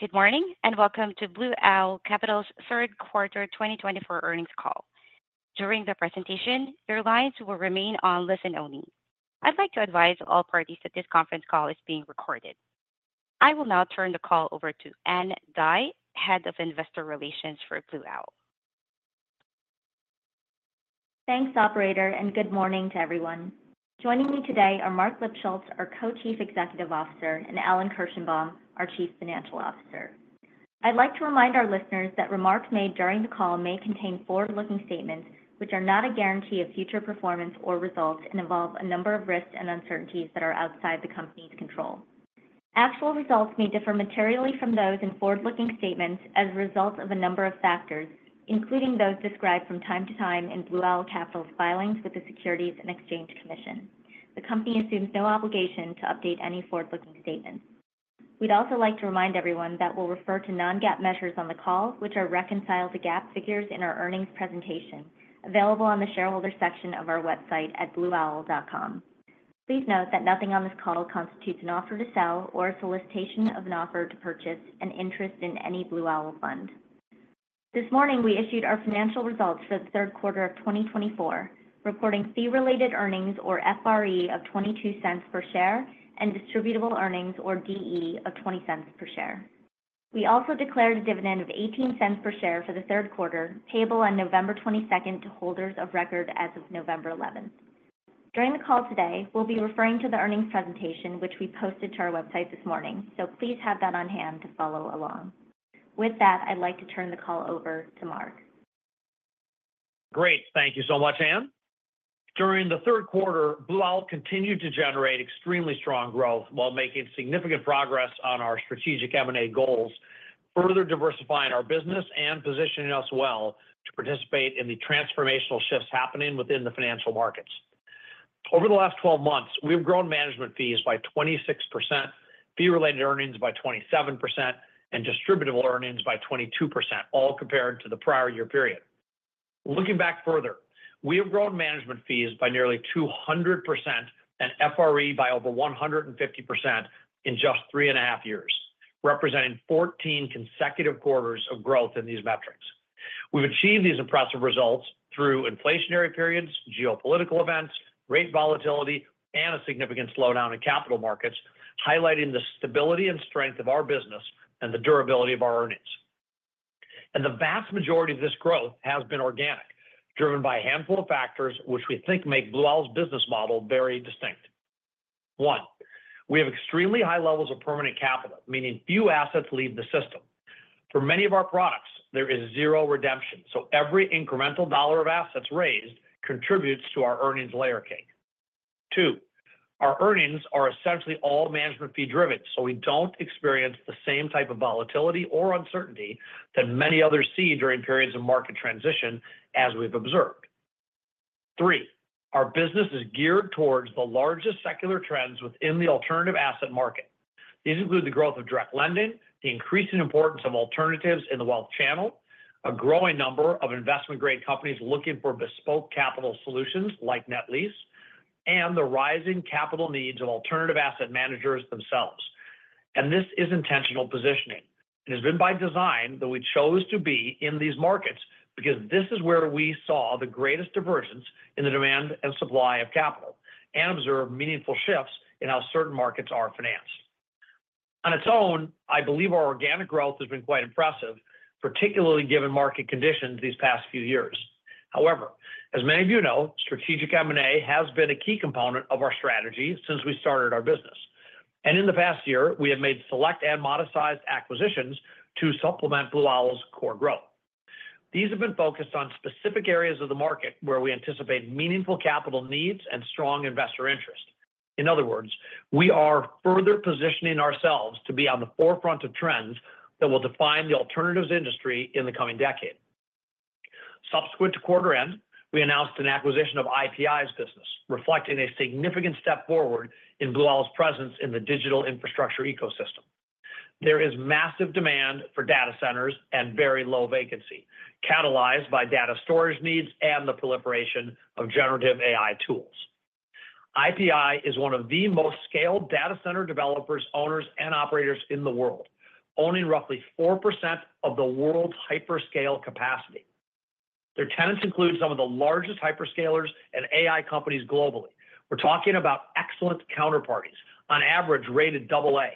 Good morning and welcome to Blue Owl Capital's third quarter 2024 Earnings Call. During the presentation, your lines will remain on listen only. I'd like to advise all parties that this Conference Call is being recorded. I will now turn the call over to Ann Dai, Head of Investor Relations for Blue Owl. Thanks, Operator, and good morning to everyone. Joining me today are Marc Lipschultz, our Co-Chief Executive Officer, and Alan Kirshenbaum, our Chief Financial Officer. I'd like to remind our listeners that remarks made during the call may contain forward-looking statements which are not a guarantee of future performance or results and involve a number of risks and uncertainties that are outside the company's control. Actual results may differ materially from those in forward-looking statements as a result of a number of factors, including those described from time to time in Blue Owl Capital's filings with the Securities and Exchange Commission. The company assumes no obligation to update any forward-looking statements. We'd also like to remind everyone that we'll refer to non-GAAP measures on the call, which are reconciled to GAAP figures in our earnings presentation, available on the shareholder section of our website at blueowl.com. Please note that nothing on this call constitutes an offer to sell or a solicitation of an offer to purchase an interest in any Blue Owl fund. This morning, we issued our financial results for the third quarter of 2024, reporting fee-related earnings, or FRE, of $0.22 per share and distributable earnings, or DE, of $0.20 per share. We also declared a dividend of $0.18 per share for the third quarter, payable on November 22nd to holders of record as of November 11th. During the call today, we'll be referring to the earnings presentation, which we posted to our website this morning, so please have that on hand to follow along. With that, I'd like to turn the call over to Marc. Great. Thank you so much, Ann. During the third quarter, Blue Owl continued to generate extremely strong growth while making significant progress on our strategic M&A goals, further diversifying our business and positioning us well to participate in the transformational shifts happening within the financial markets. Over the last 12 months, we've grown management fees by 26%, fee-related earnings by 27%, and distributable earnings by 22%, all compared to the prior year period. Looking back further, we have grown management fees by nearly 200% and FRE by over 150% in just three and a half years, representing 14 consecutive quarters of growth in these metrics. We've achieved these impressive results through inflationary periods, geopolitical events, rate volatility, and a significant slowdown in capital markets, highlighting the stability and strength of our business and the durability of our earnings. And the vast majority of this growth has been organic, driven by a handful of factors which we think make Blue Owl's business model very distinct. One, we have extremely high levels of permanent capital, meaning few assets leave the system. For many of our products, there is zero redemption, so every incremental dollar of assets raised contributes to our earnings layer cake. Two, our earnings are essentially all management fee-driven, so we don't experience the same type of volatility or uncertainty that many others see during periods of market transition, as we've observed. Three, our business is geared towards the largest secular trends within the alternative asset market. These include the growth of direct lending, the increasing importance of alternatives in the wealth channel, a growing number of investment-grade companies looking for bespoke capital solutions like net lease, and the rising capital needs of alternative asset managers themselves. This is intentional positioning. It has been by design that we chose to be in these markets because this is where we saw the greatest divergence in the demand and supply of capital and observed meaningful shifts in how certain markets are financed. On its own, I believe our organic growth has been quite impressive, particularly given market conditions these past few years. However, as many of you know, strategic M&A has been a key component of our strategy since we started our business. In the past year, we have made select and modest sized acquisitions to supplement Blue Owl's core growth. These have been focused on specific areas of the market where we anticipate meaningful capital needs and strong investor interest. In other words, we are further positioning ourselves to be on the forefront of trends that will define the alternatives industry in the coming decade. Subsequent to quarter end, we announced an acquisition of IPI's business, reflecting a significant step forward in Blue Owl's presence in the digital infrastructure ecosystem. There is massive demand for data centers and very low vacancy, catalyzed by data storage needs and the proliferation of generative AI tools. IPI is one of the most scaled data center developers, owners, and operators in the world, owning roughly 4% of the world's hyperscale capacity. Their tenants include some of the largest hyperscalers and AI companies globally. We're talking about excellent counterparties, on average rated AA,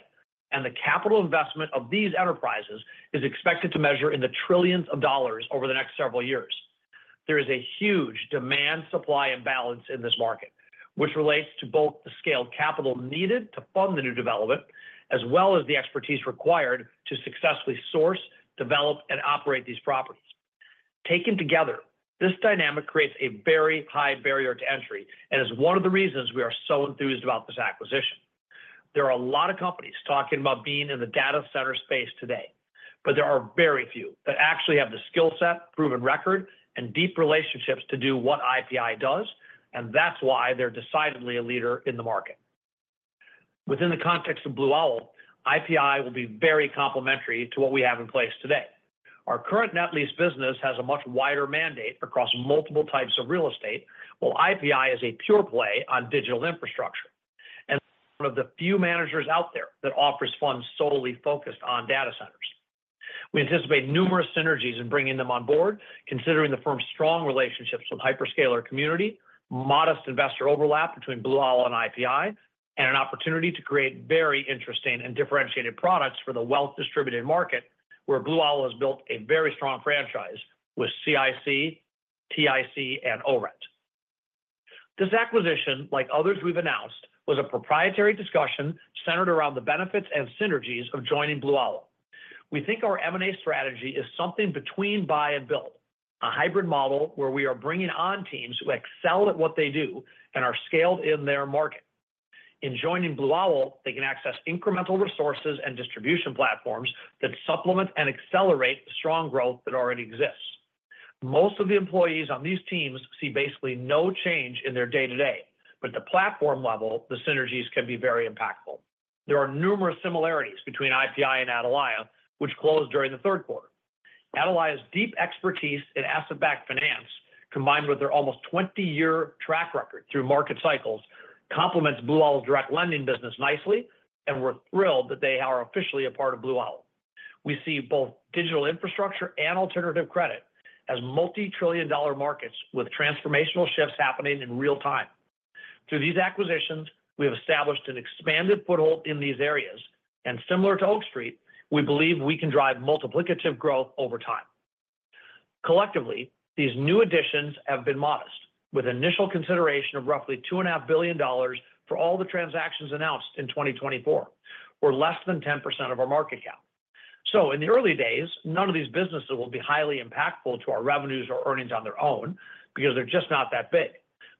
and the capital investment of these enterprises is expected to measure in the trillions of dollars over the next several years. There is a huge demand-supply imbalance in this market, which relates to both the scaled capital needed to fund the new development as well as the expertise required to successfully source, develop, and operate these properties. Taken together, this dynamic creates a very high barrier to entry and is one of the reasons we are so enthused about this acquisition. There are a lot of companies talking about being in the data center space today, but there are very few that actually have the skill set, proven record, and deep relationships to do what IPI does, and that's why they're decidedly a leader in the market. Within the context of Blue Owl, IPI will be very complementary to what we have in place today. Our current net lease business has a much wider mandate across multiple types of real estate, while IPI is a pure play on digital infrastructure and one of the few managers out there that offers funds solely focused on data centers. We anticipate numerous synergies in bringing them on board, considering the firm's strong relationships with the hyperscaler community, modest investor overlap between Blue Owl and IPI, and an opportunity to create very interesting and differentiated products for the wealth-distributed market where Blue Owl has built a very strong franchise with OCIC, OTIC, and ORENT. This acquisition, like others we've announced, was a proprietary discussion centered around the benefits and synergies of joining Blue Owl. We think our M&A strategy is something between buy and build, a hybrid model where we are bringing on teams who excel at what they do and are scaled in their market. In joining Blue Owl, they can access incremental resources and distribution platforms that supplement and accelerate strong growth that already exists. Most of the employees on these teams see basically no change in their day-to-day, but at the platform level, the synergies can be very impactful. There are numerous similarities between IPI and Atalaya, which closed during the third quarter. Atalaya's deep expertise in asset-backed finance, combined with their almost 20-year track record through market cycles, complements Blue Owl's direct lending business nicely, and we're thrilled that they are officially a part of Blue Owl. We see both digital infrastructure and alternative credit as multi-trillion dollar markets with transformational shifts happening in real time. Through these acquisitions, we have established an expanded foothold in these areas, and similar to Oak Street, we believe we can drive multiplicative growth over time. Collectively, these new additions have been modest, with initial consideration of roughly $2.5 billion for all the transactions announced in 2024, or less than 10% of our market cap. So in the early days, none of these businesses will be highly impactful to our revenues or earnings on their own because they're just not that big.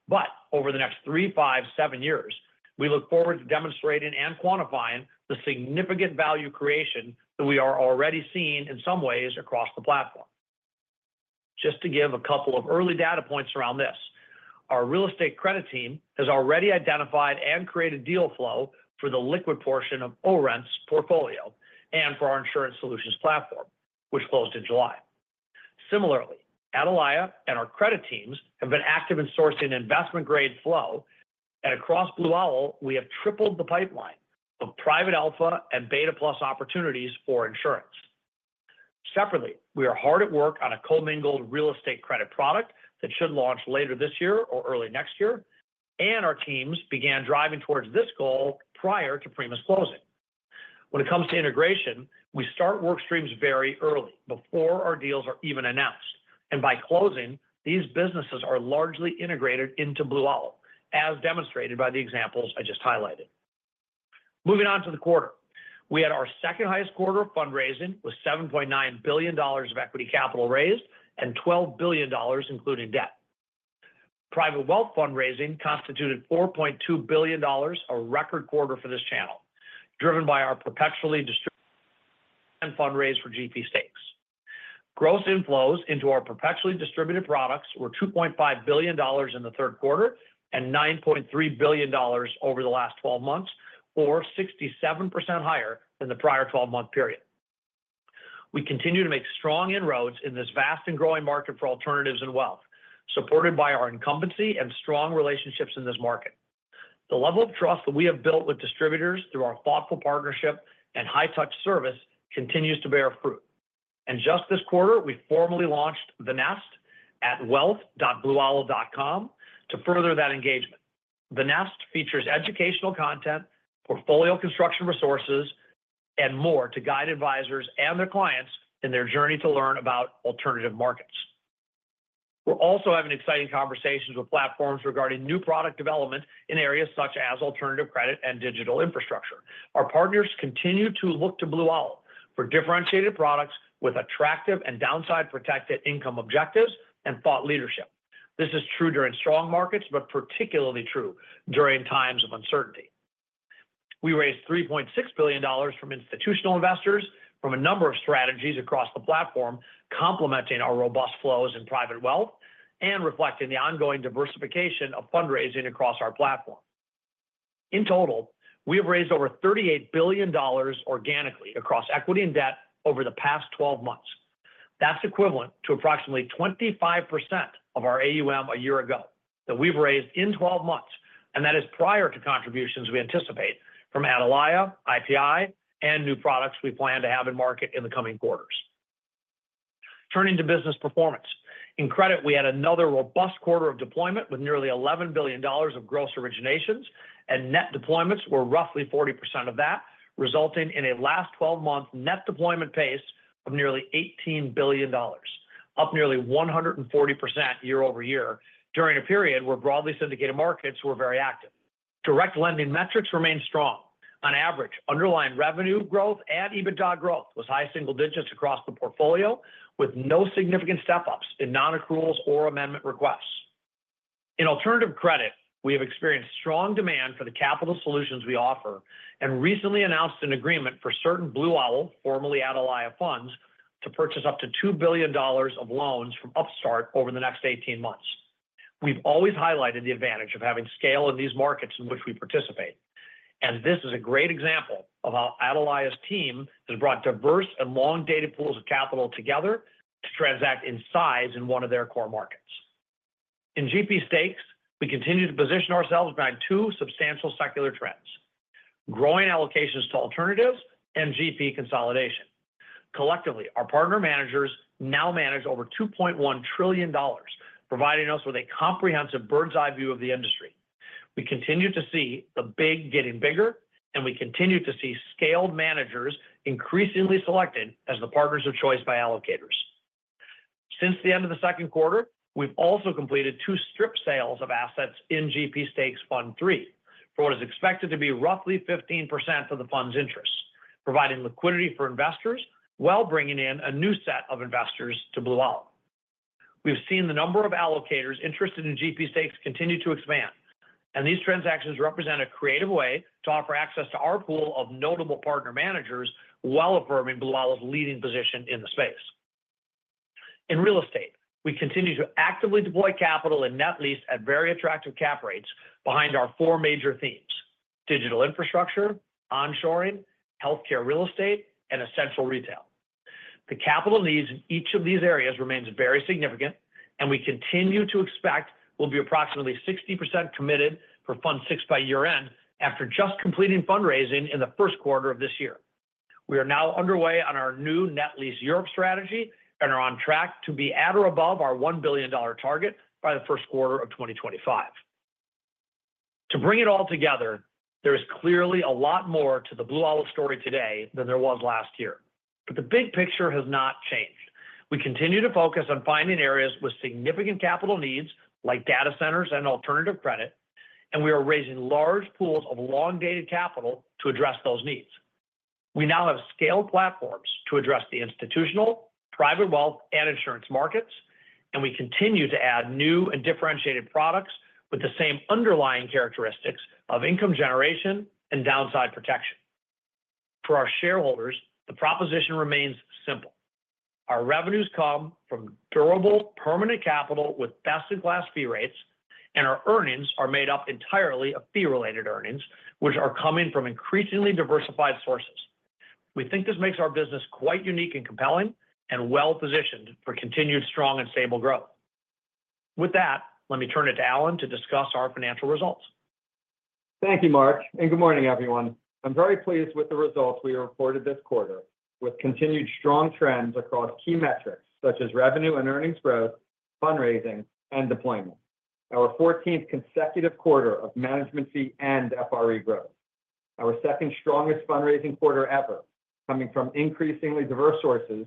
But over the next three, five, seven years, we look forward to demonstrating and quantifying the significant value creation that we are already seeing in some ways across the platform. Just to give a couple of early data points around this, our real estate credit team has already identified and created deal flow for the liquid portion of ORENT's portfolio and for our Insurance Solutions platform, which closed in July. Similarly, Atalaya and our credit teams have been active in sourcing investment-grade flow, and across Blue Owl, we have tripled the pipeline of private alpha and beta plus opportunities for insurance. Separately, we are hard at work on a co-mingled real estate credit product that should launch later this year or early next year, and our teams began driving towards this goal prior to Prima's closing. When it comes to integration, we start work streams very early before our deals are even announced, and by closing, these businesses are largely integrated into Blue Owl, as demonstrated by the examples I just highlighted. Moving on to the quarter, we had our second highest quarter of fundraising with $7.9 billion of equity capital raised and $12 billion including debt. Private wealth fundraising constituted $4.2 billion, a record quarter for this channel, driven by our perpetually distributed fundraising for GP stakes. Gross inflows into our perpetually distributed products were $2.5 billion in the third quarter and $9.3 billion over the last 12 months, or 67% higher than the prior 12-month period. We continue to make strong inroads in this vast and growing market for alternatives and wealth, supported by our incumbency and strong relationships in this market. The level of trust that we have built with distributors through our thoughtful partnership and high-touch service continues to bear fruit, and just this quarter, we formally launched The Nest at wealth.blueowl.com to further that engagement. The Nest features educational content, portfolio construction resources, and more to guide advisors and their clients in their journey to learn about alternative markets. We're also having exciting conversations with platforms regarding new product development in areas such as alternative credit and digital infrastructure. Our partners continue to look to Blue Owl for differentiated products with attractive and downside-protected income objectives and thought leadership. This is true during strong markets, but particularly true during times of uncertainty. We raised $3.6 billion from institutional investors, from a number of strategies across the platform, complementing our robust flows in private wealth and reflecting the ongoing diversification of fundraising across our platform. In total, we have raised over $38 billion organically across equity and debt over the past 12 months. That's equivalent to approximately 25% of our AUM a year ago that we've raised in 12 months, and that is prior to contributions we anticipate from Atalaya, IPI, and new products we plan to have in market in the coming quarters. Turning to business performance, in credit, we had another robust quarter of deployment with nearly $11 billion of gross originations, and net deployments were roughly 40% of that, resulting in a last 12-month net deployment pace of nearly $18 billion, up nearly 140% year over year during a period where broadly syndicated markets were very active. Direct lending metrics remained strong. On average, underlying revenue growth and EBITDA growth was high single digits across the portfolio, with no significant step-ups in non-accruals or amendment requests. In alternative credit, we have experienced strong demand for the capital solutions we offer and recently announced an agreement for certain Blue Owl, formerly Atalaya Funds, to purchase up to $2 billion of loans from Upstart over the next 18 months. We've always highlighted the advantage of having scale in these markets in which we participate, and this is a great example of how Atalaya's team has brought diverse and long-dated pools of capital together to transact in size in one of their core markets. In GP stakes, we continue to position ourselves behind two substantial secular trends: growing allocations to alternatives and GP consolidation. Collectively, our partner managers now manage over $2.1 trillion, providing us with a comprehensive bird's-eye view of the industry. We continue to see the big getting bigger, and we continue to see scaled managers increasingly selected as the partners of choice by allocators. Since the end of the second quarter, we've also completed two strip sales of assets in GP Stakes Fund III for what is expected to be roughly 15% of the fund's interests, providing liquidity for investors while bringing in a new set of investors to Blue Owl. We've seen the number of allocators interested in GP stakes continue to expand, and these transactions represent a creative way to offer access to our pool of notable partner managers while affirming Blue Owl's leading position in the space. In real estate, we continue to actively deploy capital in net lease at very attractive cap rates behind our four major themes: digital infrastructure, onshoring, healthcare real estate, and essential retail. The capital needs in each of these areas remain very significant, and we continue to expect we'll be approximately 60% committed for Fund VI by year-end after just completing fundraising in the first quarter of this year. We are now underway on our new Net Lease Europe strategy and are on track to be at or above our $1 billion target by the first quarter of 2025. To bring it all together, there is clearly a lot more to the Blue Owl story today than there was last year, but the big picture has not changed. We continue to focus on finding areas with significant capital needs like data centers and alternative credit, and we are raising large pools of long-dated capital to address those needs. We now have scaled platforms to address the institutional, private wealth, and insurance markets, and we continue to add new and differentiated products with the same underlying characteristics of income generation and downside protection. For our shareholders, the proposition remains simple. Our revenues come from durable, permanent capital with best-in-class fee rates, and our earnings are made up entirely of fee-related earnings, which are coming from increasingly diversified sources. We think this makes our business quite unique and compelling and well-positioned for continued strong and stable growth. With that, let me turn it to Alan to discuss our financial results. Thank you, Marc, and good morning, everyone. I'm very pleased with the results we reported this quarter, with continued strong trends across key metrics such as revenue and earnings growth, fundraising, and deployment. Our 14th consecutive quarter of management fee and FRE growth. Our second strongest fundraising quarter ever, coming from increasingly diverse sources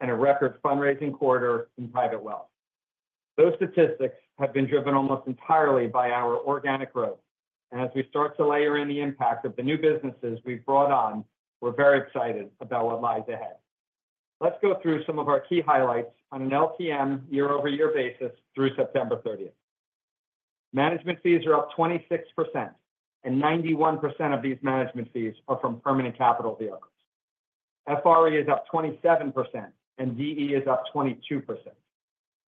and a record fundraising quarter in private wealth. Those statistics have been driven almost entirely by our organic growth, and as we start to layer in the impact of the new businesses we've brought on, we're very excited about what lies ahead. Let's go through some of our key highlights on an LTM year-over-year basis through September 30th. Management fees are up 26%, and 91% of these management fees are from permanent capital vehicles. FRE is up 27%, and DE is up 22%.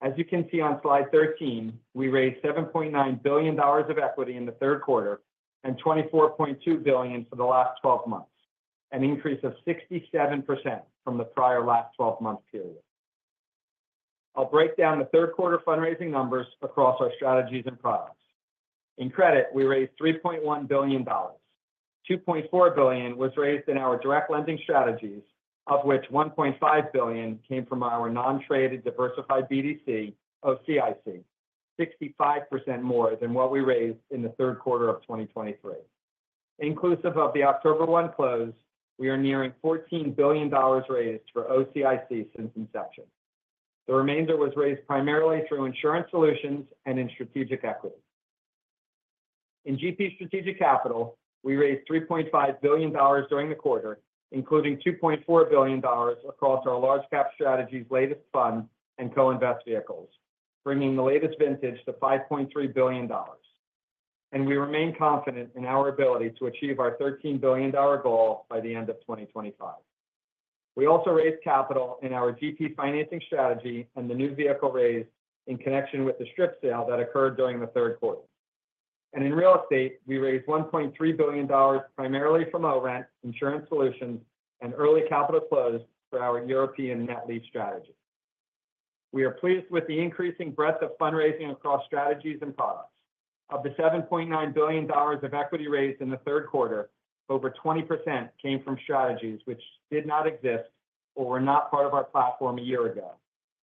As you can see on slide 13, we raised $7.9 billion of equity in the third quarter and $24.2 billion for the last 12 months, an increase of 67% from the prior last 12-month period. I'll break down the third quarter fundraising numbers across our strategies and products. In credit, we raised $3.1 billion. $2.4 billion was raised in our direct lending strategies, of which $1.5 billion came from our non-traded diversified BDC OCIC, 65% more than what we raised in the third quarter of 2023. Inclusive of the October 1 close, we are nearing $14 billion raised for OCIC since inception. The remainder was raised primarily through Insurance Solutions and in Strategic Equity. In GP Strategic Capital, we raised $3.5 billion during the quarter, including $2.4 billion across our large-cap strategies latest fund and co-invest vehicles, bringing the latest vintage to $5.3 billion. We remain confident in our ability to achieve our $13 billion goal by the end of 2025. We also raised capital in our GP financing strategy and the new vehicle raised in connection with the strip sale that occurred during the third quarter. In real estate, we raised $1.3 billion primarily from ORENT, Insurance Solutions, and early capital flows for our European net lease strategy. We are pleased with the increasing breadth of fundraising across strategies and products. Of the $7.9 billion of equity raised in the third quarter, over 20% came from strategies which did not exist or were not part of our platform a year ago,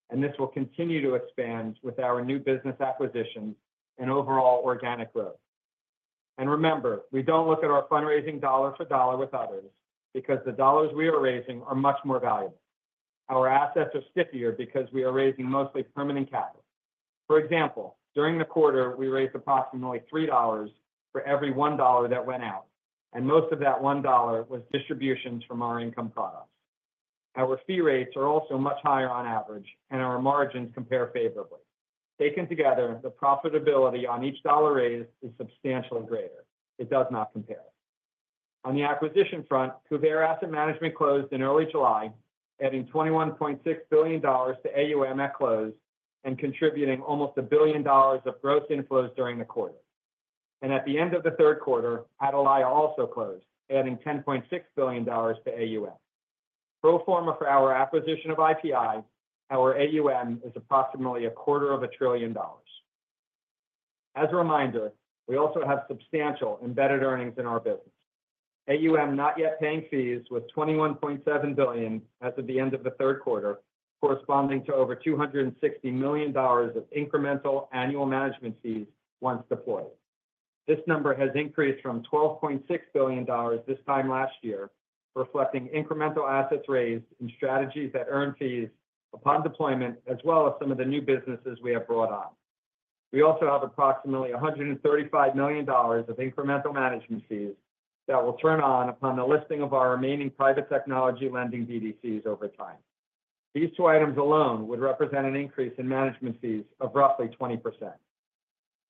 and this will continue to expand with our new business acquisitions and overall organic growth. Remember, we don't look at our fundraising dollar for dollar with others because the dollars we are raising are much more valuable. Our assets are stickier because we are raising mostly permanent capital. For example, during the quarter, we raised approximately $3 for every $1 that went out, and most of that $1 was distributions from our income products. Our fee rates are also much higher on average, and our margins compare favorably. Taken together, the profitability on each dollar raised is substantially greater. It does not compare. On the acquisition front, Kuvare Asset Management closed in early July, adding $21.6 billion to AUM at close and contributing almost a billion dollars of gross inflows during the quarter. And at the end of the third quarter, Atalaya also closed, adding $10.6 billion to AUM. Pro forma for our acquisition of IPI, our AUM is approximately a quarter of a trillion dollars. As a reminder, we also have substantial embedded earnings in our business. AUM not yet paying fees was $21.7 billion as of the end of the third quarter, corresponding to over $260 million of incremental annual management fees once deployed. This number has increased from $12.6 billion this time last year, reflecting incremental assets raised in strategies that earn fees upon deployment, as well as some of the new businesses we have brought on. We also have approximately $135 million of incremental management fees that will turn on upon the listing of our remaining private technology lending BDCs over time. These two items alone would represent an increase in management fees of roughly 20%.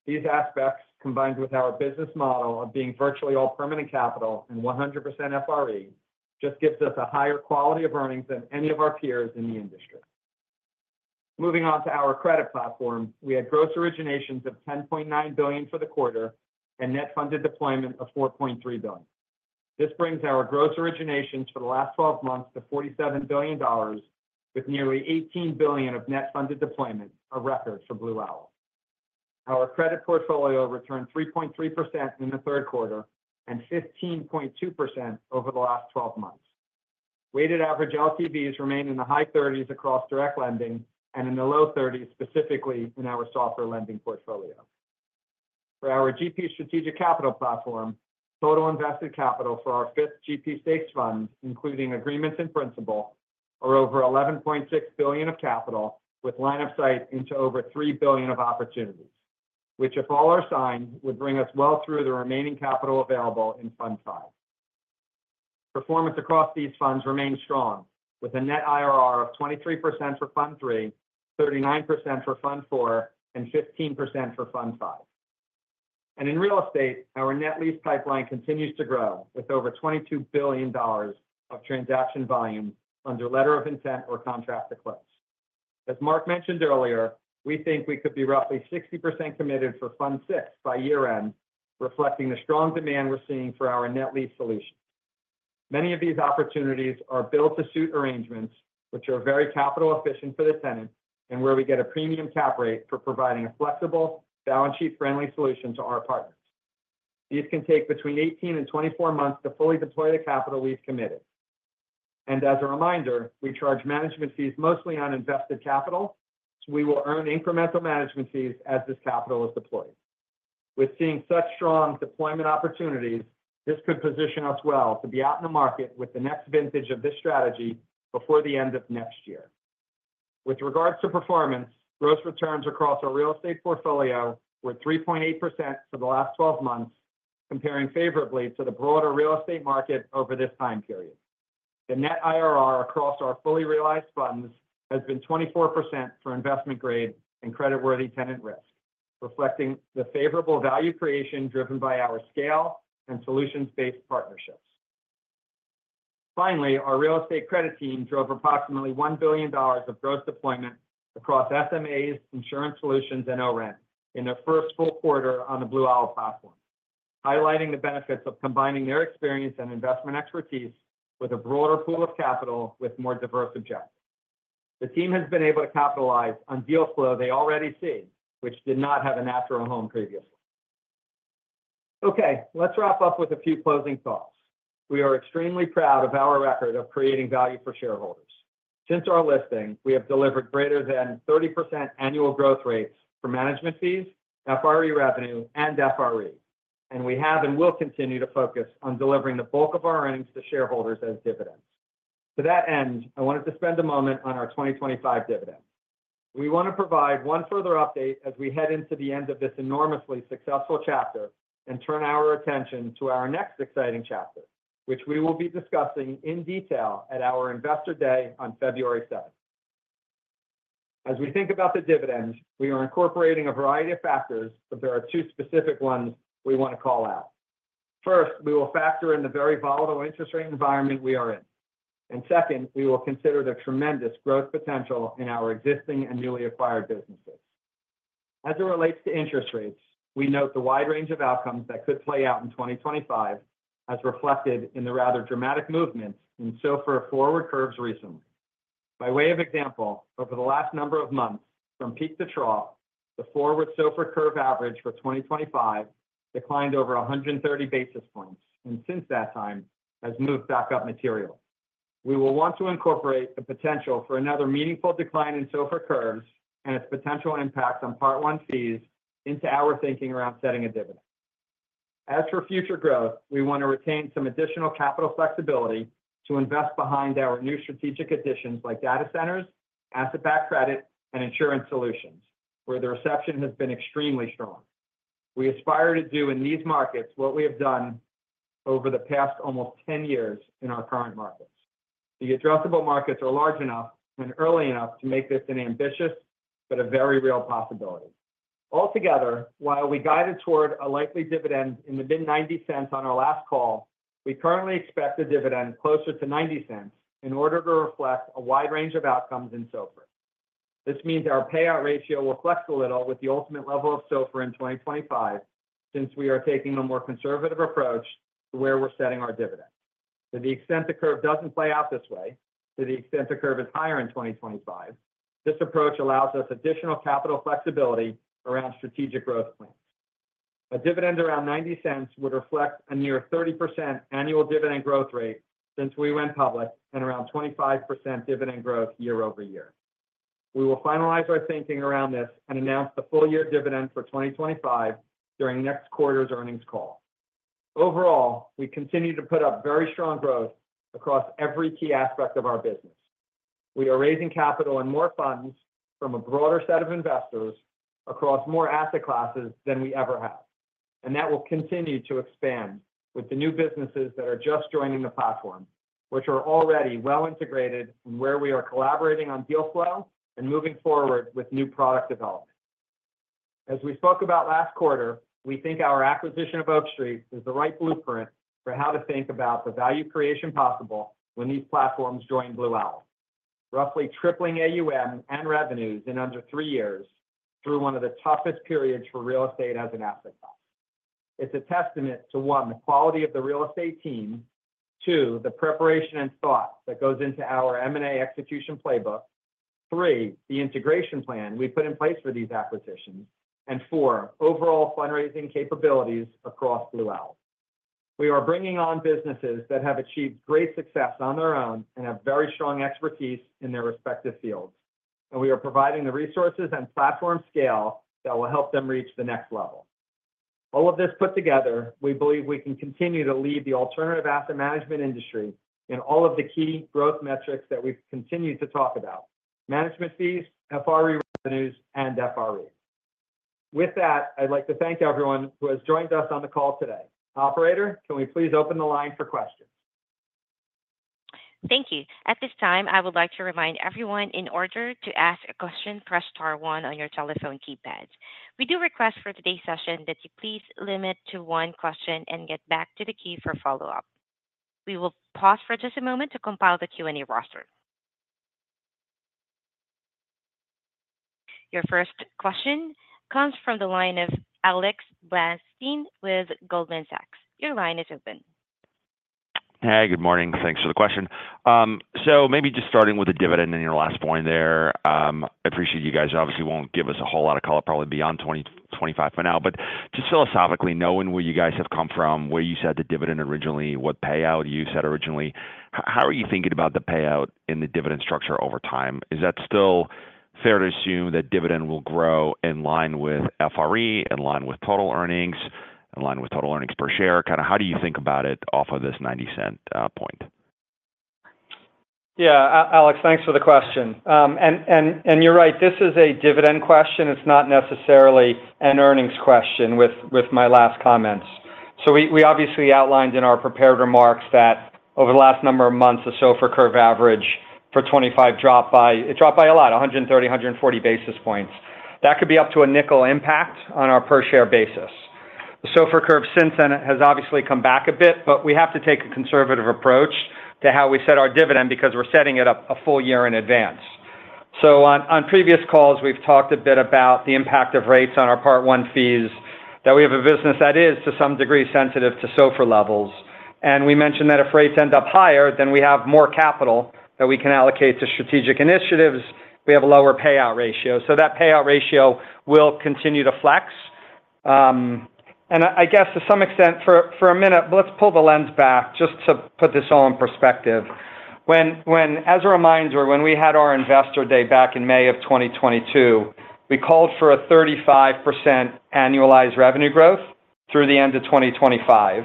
These aspects, combined with our business model of being virtually all permanent capital and 100% FRE, just gives us a higher quality of earnings than any of our peers in the industry. Moving on to our credit platform, we had gross originations of $10.9 billion for the quarter and net funded deployment of $4.3 billion. This brings our gross originations for the last 12 months to $47 billion, with nearly $18 billion of net funded deployment, a record for Blue Owl. Our credit portfolio returned 3.3% in the third quarter and 15.2% over the last 12 months. Weighted average LTVs remain in the high 30s across direct lending and in the low 30s, specifically in our software lending portfolio. For our GP Strategic Capital platform, total invested capital for our fifth GP stakes fund, including agreements and principal, are over $11.6 billion of capital, with line of sight into over $3 billion of opportunities, which, if all are signed, would bring us well through the remaining capital available in Fund V. Performance across these funds remains strong, with a net IRR of 23% for Fund III, 39% for Fund IV, and 15% for Fund V, and in real estate, our net lease pipeline continues to grow, with over $22 billion of transaction volume under letter of intent or contract to close. As Marc mentioned earlier, we think we could be roughly 60% committed for Fund VI by year-end, reflecting the strong demand we're seeing for our net lease solution. Many of these opportunities are build-to-suit arrangements, which are very capital efficient for the tenant and where we get a premium cap rate for providing a flexible, balance sheet-friendly solution to our partners. These can take between 18 and 24 months to fully deploy the capital we've committed. And as a reminder, we charge management fees mostly on invested capital, so we will earn incremental management fees as this capital is deployed. With seeing such strong deployment opportunities, this could position us well to be out in the market with the next vintage of this strategy before the end of next year. With regards to performance, gross returns across our real estate portfolio were 3.8% for the last 12 months, comparing favorably to the broader real estate market over this time period. The net IRR across our fully realized funds has been 24% for investment grade and credit-worthy tenant risk, reflecting the favorable value creation driven by our scale and solutions-based partnerships. Finally, our real estate credit team drove approximately $1 billion of gross deployment across SMAs, Insurance solutions, and ORENT in their first full quarter on the Blue Owl platform, highlighting the benefits of combining their experience and investment expertise with a broader pool of capital with more diverse objectives. The team has been able to capitalize on deal flow they already see, which did not have a home previously. Okay, let's wrap up with a few closing thoughts. We are extremely proud of our record of creating value for shareholders. Since our listing, we have delivered greater than 30% annual growth rates for management fees, FRE revenue, and FRE, and we have and will continue to focus on delivering the bulk of our earnings to shareholders as dividends. To that end, I wanted to spend a moment on our 2025 dividends. We want to provide one further update as we head into the end of this enormously successful chapter and turn our attention to our next exciting chapter, which we will be discussing in detail at our investor day on February 7th. As we think about the dividends, we are incorporating a variety of factors, but there are two specific ones we want to call out. First, we will factor in the very volatile interest rate environment we are in, and second, we will consider the tremendous growth potential in our existing and newly acquired businesses. As it relates to interest rates, we note the wide range of outcomes that could play out in 2025, as reflected in the rather dramatic movements in SOFR forward curves recently. By way of example, over the last number of months, from peak to trough, the forward SOFR curve average for 2025 declined over 130 basis points and since that time has moved back up materially. We will want to incorporate the potential for another meaningful decline in SOFR curves and its potential impact on Part I fees into our thinking around setting a dividend. As for future growth, we want to retain some additional capital flexibility to invest behind our new strategic additions like data centers, asset-backed credit, and insurance solutions, where the reception has been extremely strong. We aspire to do in these markets what we have done over the past almost 10 years in our current markets. The addressable markets are large enough and early enough to make this an ambitious but a very real possibility. Altogether, while we guided toward a likely dividend in the mid-$0.90s on our last call, we currently expect a dividend closer to $0.90 in order to reflect a wide range of outcomes in SOFR. This means our payout ratio will flex a little with the ultimate level of SOFR in 2025 since we are taking a more conservative approach to where we're setting our dividend. To the extent the curve doesn't play out this way, to the extent the curve is higher in 2025, this approach allows us additional capital flexibility around strategic growth plans. A dividend around $0.90 would reflect a near 30% annual dividend growth rate since we went public and around 25% dividend growth year over year. We will finalize our thinking around this and announce the full year dividend for 2025 during next quarter's Earnings Call. Overall, we continue to put up very strong growth across every key aspect of our business. We are raising capital and more funds from a broader set of investors across more asset classes than we ever have, and that will continue to expand with the new businesses that are just joining the platform, which are already well integrated and where we are collaborating on deal flow and moving forward with new product development. As we spoke about last quarter, we think our acquisition of Oak Street is the right blueprint for how to think about the value creation possible when these platforms join Blue Owl, roughly tripling AUM and revenues in under three years through one of the toughest periods for real estate as an asset class. It's a testament to, one, the quality of the real estate team, two, the preparation and thought that goes into our M&A execution playbook, three, the integration plan we put in place for these acquisitions, and four, overall fundraising capabilities across Blue Owl. We are bringing on businesses that have achieved great success on their own and have very strong expertise in their respective fields, and we are providing the resources and platform scale that will help them reach the next level. All of this put together, we believe we can continue to lead the alternative asset management industry in all of the key growth metrics that we've continued to talk about: management fees, FRE revenues, and FRE. With that, I'd like to thank everyone who has joined us on the call today. Operator, can we please open the line for questions? Thank you. At this time, I would like to remind everyone in order to ask a question, press star one on your telephone keypads. We do request for today's session that you please limit to one question and get back to the queue for follow-up. We will pause for just a moment to compile the Q&A roster. Your first question comes from the line of Alex Blostein with Goldman Sachs. Your line is open. Hey, good morning. Thanks for the question. So maybe just starting with the dividend in your last point there, I appreciate you guys obviously won't give us a whole lot of color, probably beyond 2025 for now, but just philosophically, knowing where you guys have come from, where you said the dividend originally, what payout you said originally, how are you thinking about the payout in the dividend structure over time? Is that still fair to assume that dividend will grow in line with FRE, in line with total earnings, in line with total earnings per share? Kind of how do you think about it off of this $0.90 point? Yeah, Alex, thanks for the question, and you're right, this is a dividend question. It's not necessarily an earnings question with my last comments. So we obviously outlined in our prepared remarks that over the last number of months, the SOFR curve average for 2025 dropped by a lot, 130-140 basis points. That could be up to a $0.05 impact on our per-share basis. The SOFR curve since then has obviously come back a bit, but we have to take a conservative approach to how we set our dividend because we're setting it up a full year in advance. So on previous calls, we've talked a bit about the impact of rates on our Part I fees, that we have a business that is to some degree sensitive to SOFR levels. And we mentioned that if rates end up higher, then we have more capital that we can allocate to strategic initiatives. We have a lower payout ratio. So that payout ratio will continue to flex. And I guess to some extent, for a minute, let's pull the lens back just to put this all in perspective. As a reminder, when we had our investor day back in May of 2022, we called for a 35% annualized revenue growth through the end of 2025.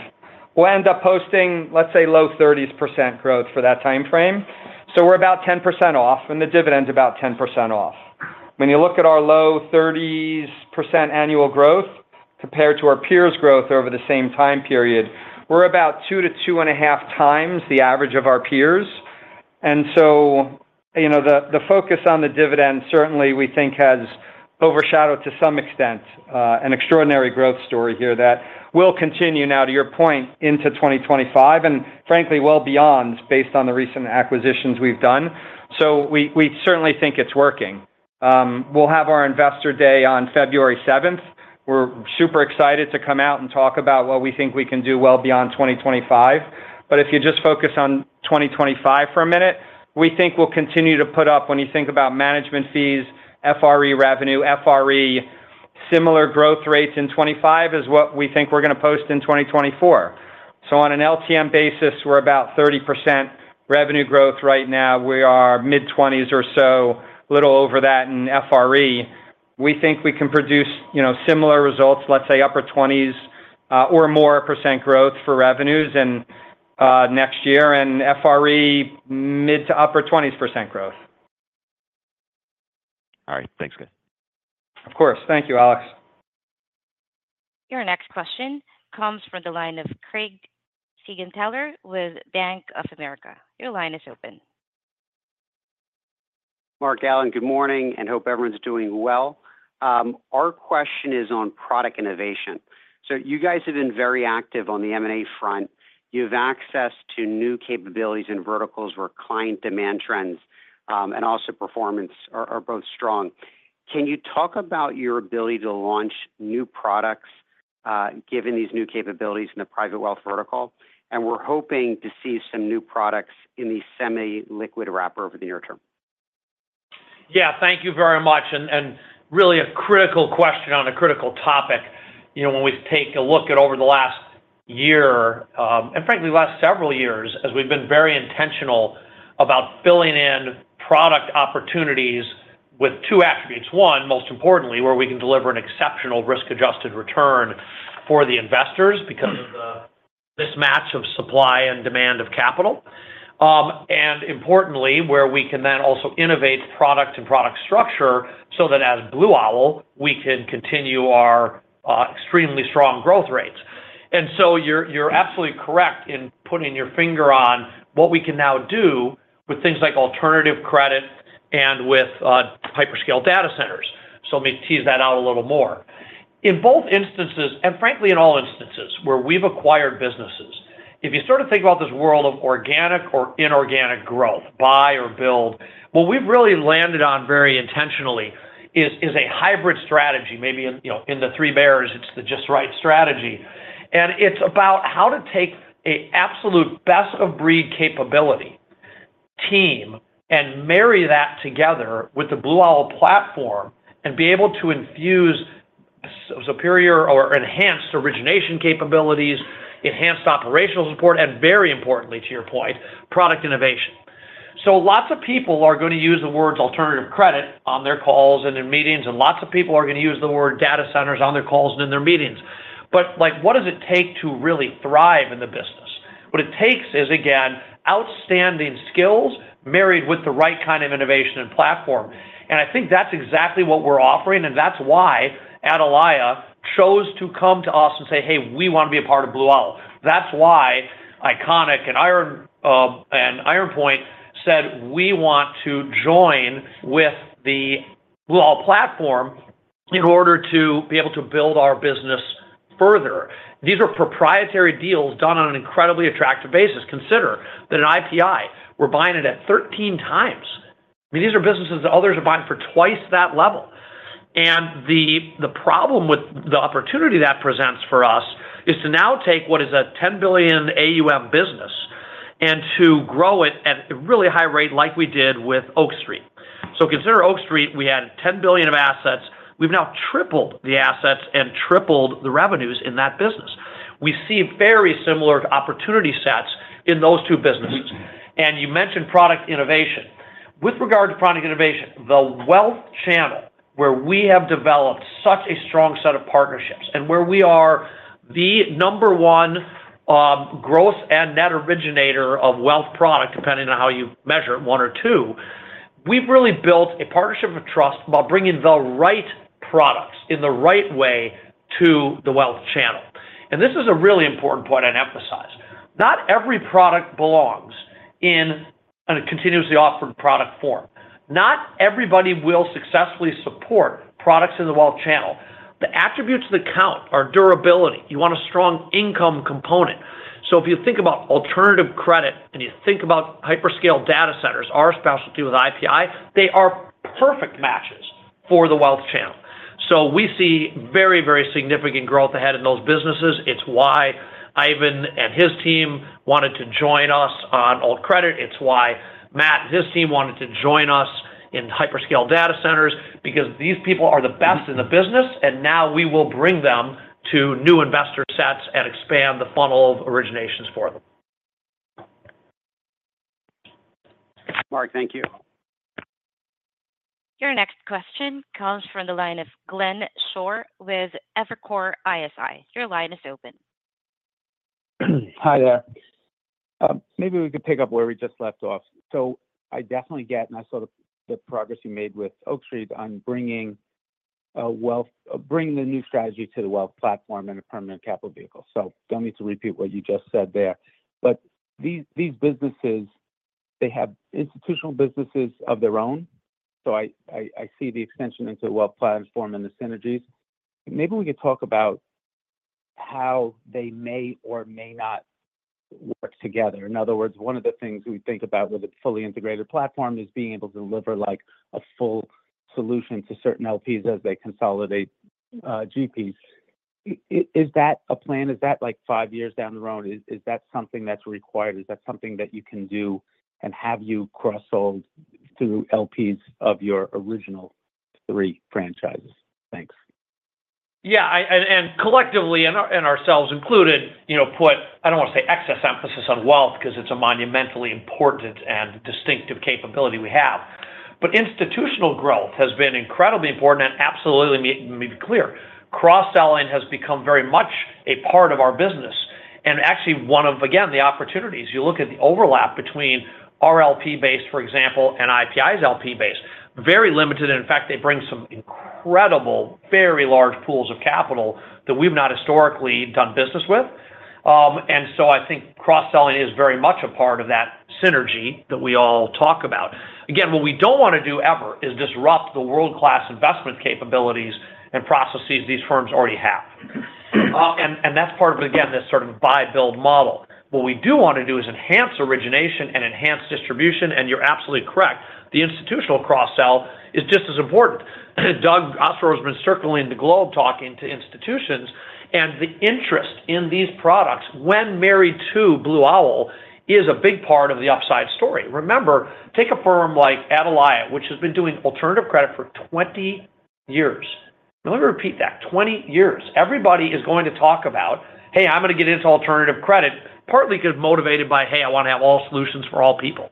We'll end up posting, let's say, low 30% growth for that time frame. So we're about 10% off, and the dividend's about 10% off. When you look at our low 30% annual growth compared to our peers' growth over the same time period, we're about two to two and a half times the average of our peers, and so the focus on the dividend, certainly, we think has overshadowed to some extent an extraordinary growth story here that will continue now, to your point, into 2025 and frankly, well beyond, based on the recent acquisitions we've done, so we certainly think it's working. We'll have our investor day on February 7th. We're super excited to come out and talk about what we think we can do well beyond 2025, but if you just focus on 2025 for a minute, we think we'll continue to put up, when you think about management fees, FRE revenue, FRE, similar growth rates in 2025 is what we think we're going to post in 2024. So on an LTM basis, we're about 30% revenue growth right now. We are mid-20s% or so, a little over that in FRE. We think we can produce similar results, let's say, upper 20s% or more growth for revenues next year and FRE mid- to upper 20s% growth. All right. Thanks, guys. Of course. Thank you, Alex. Your next question comes from the line of Craig Siegenthaler with Bank of America. Your line is open. Marc, Alan, good morning and hope everyone's doing well. Our question is on product innovation. So you guys have been very active on the M&A front. You have access to new capabilities and verticals where client demand trends and also performance are both strong. Can you talk about your ability to launch new products given these new capabilities in the private wealth vertical? We're hoping to see some new products in the semi-liquid wrapper over the near term. Yeah, thank you very much. Really a critical question on a critical topic. When we take a look at over the last year and frankly, the last several years, as we've been very intentional about filling in product opportunities with two attributes. One, most importantly, where we can deliver an exceptional risk-adjusted return for the investors because of the mismatch of supply and demand of capital. Importantly, where we can then also innovate product and product structure so that as Blue Owl, we can continue our extremely strong growth rates. So you're absolutely correct in putting your finger on what we can now do with things like alternative credit and with hyperscale data centers. So let me tease that out a little more. In both instances, and frankly, in all instances where we've acquired businesses, if you sort of think about this world of organic or inorganic growth, buy or build, what we've really landed on very intentionally is a hybrid strategy. Maybe in the three bears, it's the just right strategy. And it's about how to take an absolute best-of-breed capability team and marry that together with the Blue Owl platform and be able to infuse superior or enhanced origination capabilities, enhanced operational support, and very importantly, to your point, product innovation. So lots of people are going to use the words alternative credit on their calls and in meetings, and lots of people are going to use the word data centers on their calls and in their meetings. But what does it take to really thrive in the business? What it takes is, again, outstanding skills married with the right kind of innovation and platform. And I think that's exactly what we're offering, and that's why Atalaya chose to come to us and say, "Hey, we want to be a part of Blue Owl." That's why ICONIQ and Iron Point said, "We want to join with the Blue Owl platform in order to be able to build our business further." These are proprietary deals done on an incredibly attractive basis. Consider that an IPI, we're buying it at 13 times. I mean, these are businesses that others are buying for twice that level. And the problem with the opportunity that presents for us is to now take what is a 10 billion AUM business and to grow it at a really high rate like we did with Oak Street. So consider Oak Street. We had 10 billion of assets. We've now tripled the assets and tripled the revenues in that business. We see very similar opportunity sets in those two businesses, and you mentioned product innovation. With regard to product innovation, the wealth channel where we have developed such a strong set of partnerships and where we are the number one growth and net originator of wealth product, depending on how you measure it, one or two, we've really built a partnership of trust by bringing the right products in the right way to the wealth channel, and this is a really important point I'd emphasize. Not every product belongs in a continuously offered product form. Not everybody will successfully support products in the wealth channel. The attributes that count are durability. You want a strong income component. So if you think about alternative credit and you think about hyperscale data centers, our specialty with IPI, they are perfect matches for the wealth channel. So we see very, very significant growth ahead in those businesses. It's why Ivan and his team wanted to join us on Alt Credit. It's why Matt and his team wanted to join us in hyperscale data centers because these people are the best in the business, and now we will bring them to new investor sets and expand the funnel of originations for them. Marc, thank you. Your next question comes from the line of Glenn Schorr with Evercore ISI. Your line is open. Hi there. Maybe we could pick up where we just left off. So I definitely get and I saw the progress you made with Oak Street on bringing the new strategy to the wealth platform and a permanent capital vehicle. So don't need to repeat what you just said there. But these businesses, they have institutional businesses of their own. So I see the extension into the wealth platform and the synergies. Maybe we could talk about how they may or may not work together. In other words, one of the things we think about with a fully integrated platform is being able to deliver a full solution to certain LPs as they consolidate GPs. Is that a plan? Is that five years down the road? Is that something that's required? Is that something that you can do and have you cross-sold through LPs of your original three franchises? Thanks. Yeah. And collectively, and ourselves included, put, I don't want to say excess emphasis on wealth because it's a monumentally important and distinctive capability we have. But institutional growth has been incredibly important and absolutely made clear. Cross-selling has become very much a part of our business. And actually, one of, again, the opportunities. You look at the overlap between our LP base, for example, and IPI's LP base. Very limited. In fact, they bring some incredible, very large pools of capital that we've not historically done business with. And so I think cross-selling is very much a part of that synergy that we all talk about. Again, what we don't want to do ever is disrupt the world-class investment capabilities and processes these firms already have. And that's part of, again, this sort of buy-build model. What we do want to do is enhance origination and enhance distribution. And you're absolutely correct. The institutional cross-sell is just as important. Doug Ostrover's been circling the globe talking to institutions. The interest in these products when married to Blue Owl is a big part of the upside story. Remember, take a firm like Atalaya, which has been doing alternative credit for 20 years. Let me repeat that. 20 years. Everybody is going to talk about, "Hey, I'm going to get into alternative credit," partly because motivated by, "Hey, I want to have all solutions for all people."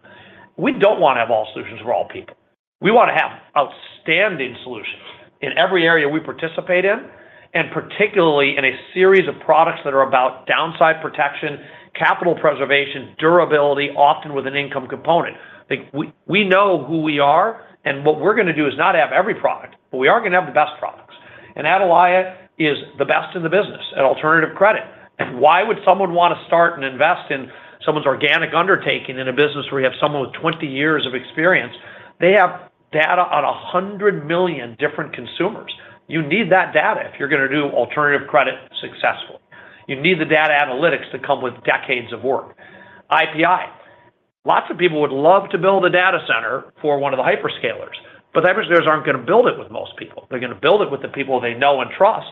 We don't want to have all solutions for all people. We want to have outstanding solutions in every area we participate in, and particularly in a series of products that are about downside protection, capital preservation, durability, often with an income component. We know who we are, and what we're going to do is not have every product, but we are going to have the best products. And Atalaya is the best in the business at alternative credit. Why would someone want to start and invest in someone's organic undertaking in a business where you have someone with 20 years of experience? They have data on 100 million different consumers. You need that data if you're going to do alternative credit successfully. You need the data analytics to come with decades of work. IPI. Lots of people would love to build a data center for one of the hyperscalers, but the hyperscalers aren't going to build it with most people. They're going to build it with the people they know and trust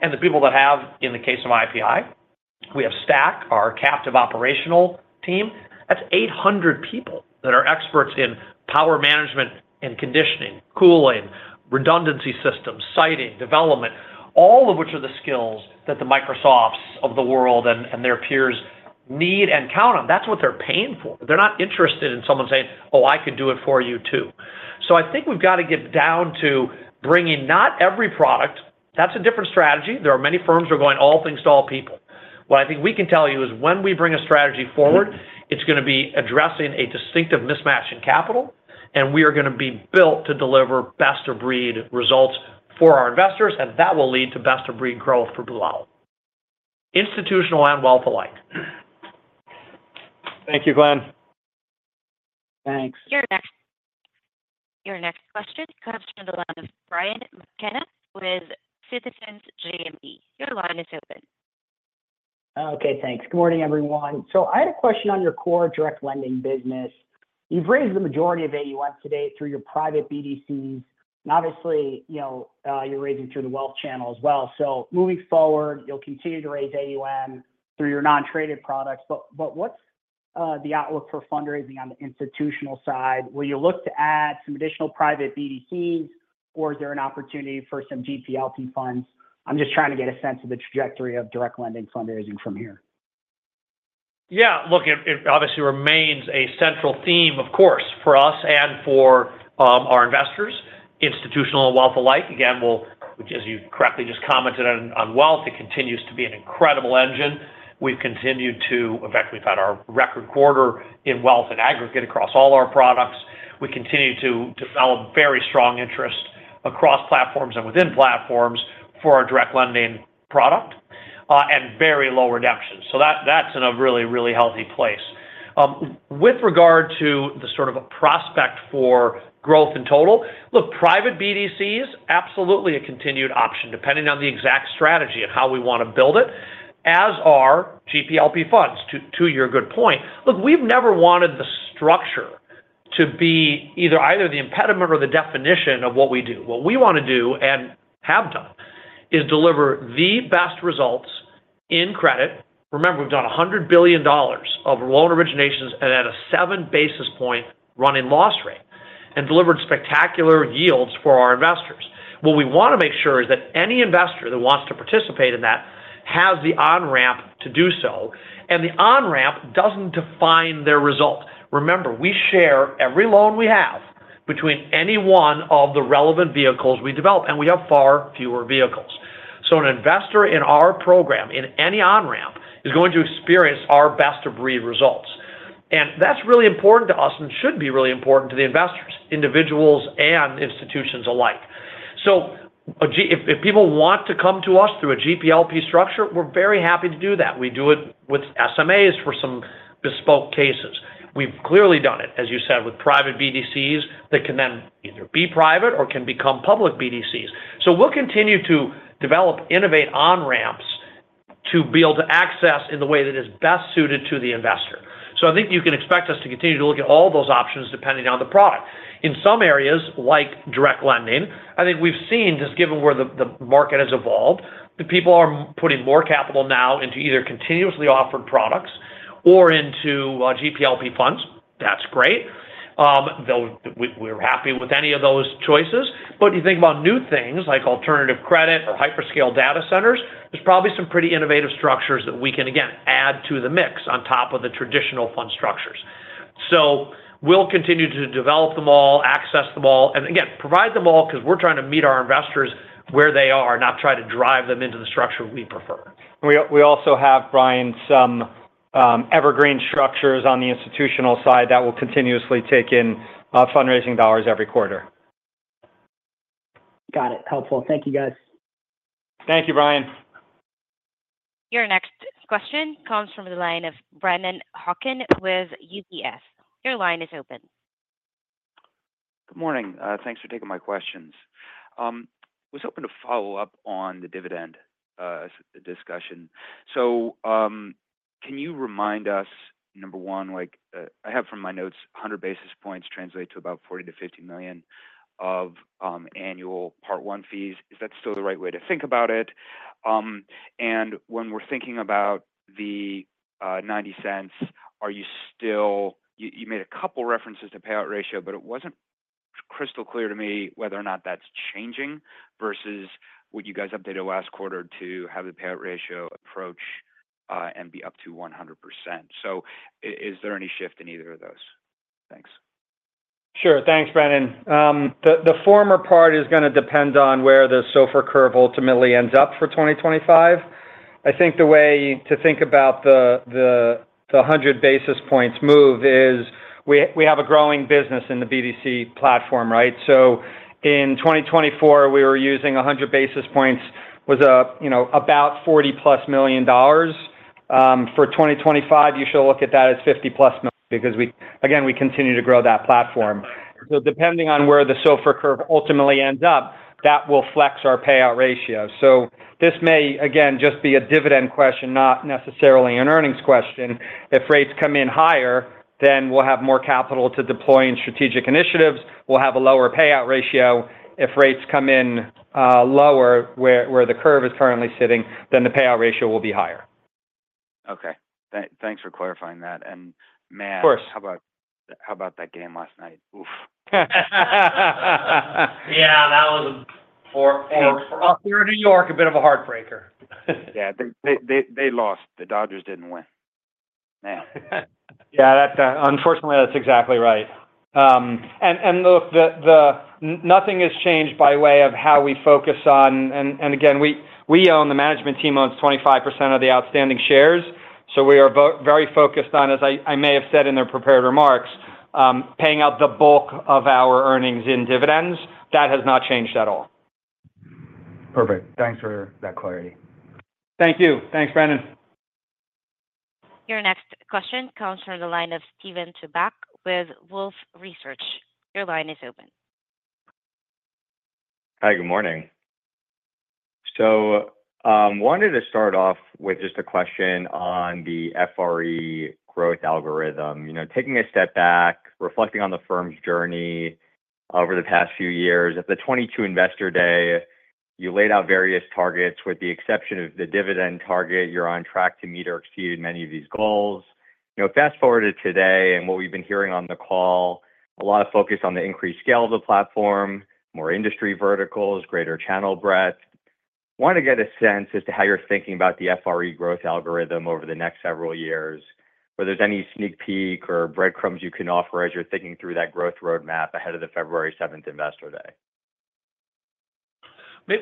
and the people that have, in the case of IPI. We have STACK, our captive operational team. That's 800 people that are experts in power management and conditioning, cooling, redundancy systems, siting, development, all of which are the skills that the Microsofts of the world and their peers need and count on. That's what they're paying for. They're not interested in someone saying, "Oh, I could do it for you too." So I think we've got to get down to bringing not every product. That's a different strategy. There are many firms who are going all things to all people. What I think we can tell you is when we bring a strategy forward, it's going to be addressing a distinctive mismatch in capital, and we are going to be built to deliver best-of-breed results for our investors, and that will lead to best-of-breed growth for Blue Owl. Institutional and wealth alike. Thank you, Glenn. Thanks. Your next question comes from the line of Brian McKenna with Citizens JMP. Your line is open. Okay. Thanks. Good morning, everyone. So I had a question on your core direct lending business. You've raised the majority of AUM today through your private BDCs. And obviously, you're raising through the wealth channel as well. So moving forward, you'll continue to raise AUM through your non-traded products. But what's the outlook for fundraising on the institutional side? Will you look to add some additional private BDCs, or is there an opportunity for some GP/LP funds? I'm just trying to get a sense of the trajectory of direct lending fundraising from here. Yeah. Look, it obviously remains a central theme, of course, for us and for our investors. Institutional and wealth alike. Again, as you correctly just commented on wealth, it continues to be an incredible engine. We've continued to, in fact, we've had our record quarter in wealth and aggregate across all our products. We continue to develop very strong interest across platforms and within platforms for our direct lending product and very low redemptions. So that's in a really, really healthy place. With regard to the sort of prospect for growth in total, look, private BDCs, absolutely a continued option depending on the exact strategy and how we want to build it, as are GP/LP funds to your good point. Look, we've never wanted the structure to be either the impediment or the definition of what we do. What we want to do and have done is deliver the best results in credit. Remember, we've done $100 billion of loan originations and at a seven basis point running loss rate and delivered spectacular yields for our investors. What we want to make sure is that any investor that wants to participate in that has the on-ramp to do so, and the on-ramp doesn't define their result. Remember, we share every loan we have between any one of the relevant vehicles we develop, and we have far fewer vehicles. So an investor in our program, in any on-ramp, is going to experience our best-of-breed results. And that's really important to us and should be really important to the investors, individuals and institutions alike. So if people want to come to us through a GP/LP structure, we're very happy to do that. We do it with SMAs for some bespoke cases. We've clearly done it, as you said, with private BDCs that can then either be private or can become public BDCs. So we'll continue to develop, innovate on-ramps to be able to access in the way that is best suited to the investor. So I think you can expect us to continue to look at all those options depending on the product. In some areas like direct lending, I think we've seen, just given where the market has evolved, that people are putting more capital now into either continuously offered products or into GP/LP funds. That's great. We're happy with any of those choices. But you think about new things like alternative credit or hyperscale data centers, there's probably some pretty innovative structures that we can, again, add to the mix on top of the traditional fund structures. So we'll continue to develop them all, access them all, and again, provide them all because we're trying to meet our investors where they are, not try to drive them into the structure we prefer. We also have, Brian, some evergreen structures on the institutional side that will continuously take in fundraising dollars every quarter. Got it. Helpful. Thank you, guys. Thank you, Brian. Your next question comes from the line of Brennan Hawken with UBS. Your line is open. Good morning. Thanks for taking my questions. I was hoping to follow up on the dividend discussion. So can you remind us, number one, I have from my notes, 100 basis points translate to about $40-50 million of annual Part I fees. Is that still the right way to think about it? And when we're thinking about the $0.90, you made a couple of references to payout ratio, but it wasn't crystal clear to me whether or not that's changing versus what you guys updated last quarter to have the payout ratio approach and be up to 100%. So is there any shift in either of those? Thanks. Sure. Thanks, Brennan. The former part is going to depend on where the SOFR curve ultimately ends up for 2025. I think the way to think about the 100 basis points move is we have a growing business in the BDC platform, right? So in 2024, we were using 100 basis points was about $40+ million. For 2025, you should look at that as $50+ million because, again, we continue to grow that platform. So depending on where the SOFR curve ultimately ends up, that will flex our payout ratio. So this may, again, just be a dividend question, not necessarily an earnings question. If rates come in higher, then we'll have more capital to deploy in strategic initiatives. We'll have a lower payout ratio. If rates come in lower where the curve is currently sitting, then the payout ratio will be higher. Okay. Thanks for clarifying that. And, man, how about that game last night? Oof. Yeah. That was, for New York, a bit of a heartbreaker. Yeah. They lost. The Dodgers didn't win. Yeah. Unfortunately, that's exactly right. And look, nothing has changed by way of how we focus on, and again, we own, the management team owns 25% of the outstanding shares. So we are very focused on, as I may have said in their prepared remarks, paying out the bulk of our earnings in dividends. That has not changed at all. Perfect. Thanks for that clarity. Thank you. Thanks, Brennan. Your next question comes from the line of Steven Chubak with Wolfe Research. Your line is open. Hi. Good morning. So I wanted to start off with just a question on the FRE growth algorithm. Taking a step back, reflecting on the firm's journey over the past few years, at the 2022 Investor Day, you laid out various targets with the exception of the dividend target. You're on track to meet or exceed many of these goals. Fast forward to today and what we've been hearing on the call, a lot of focus on the increased scale of the platform, more industry verticals, greater channel breadth. I want to get a sense as to how you're thinking about the FRE growth algorithm over the next several years, whether there's any sneak peek or breadcrumbs you can offer as you're thinking through that growth roadmap ahead of the February 7th Investor Day.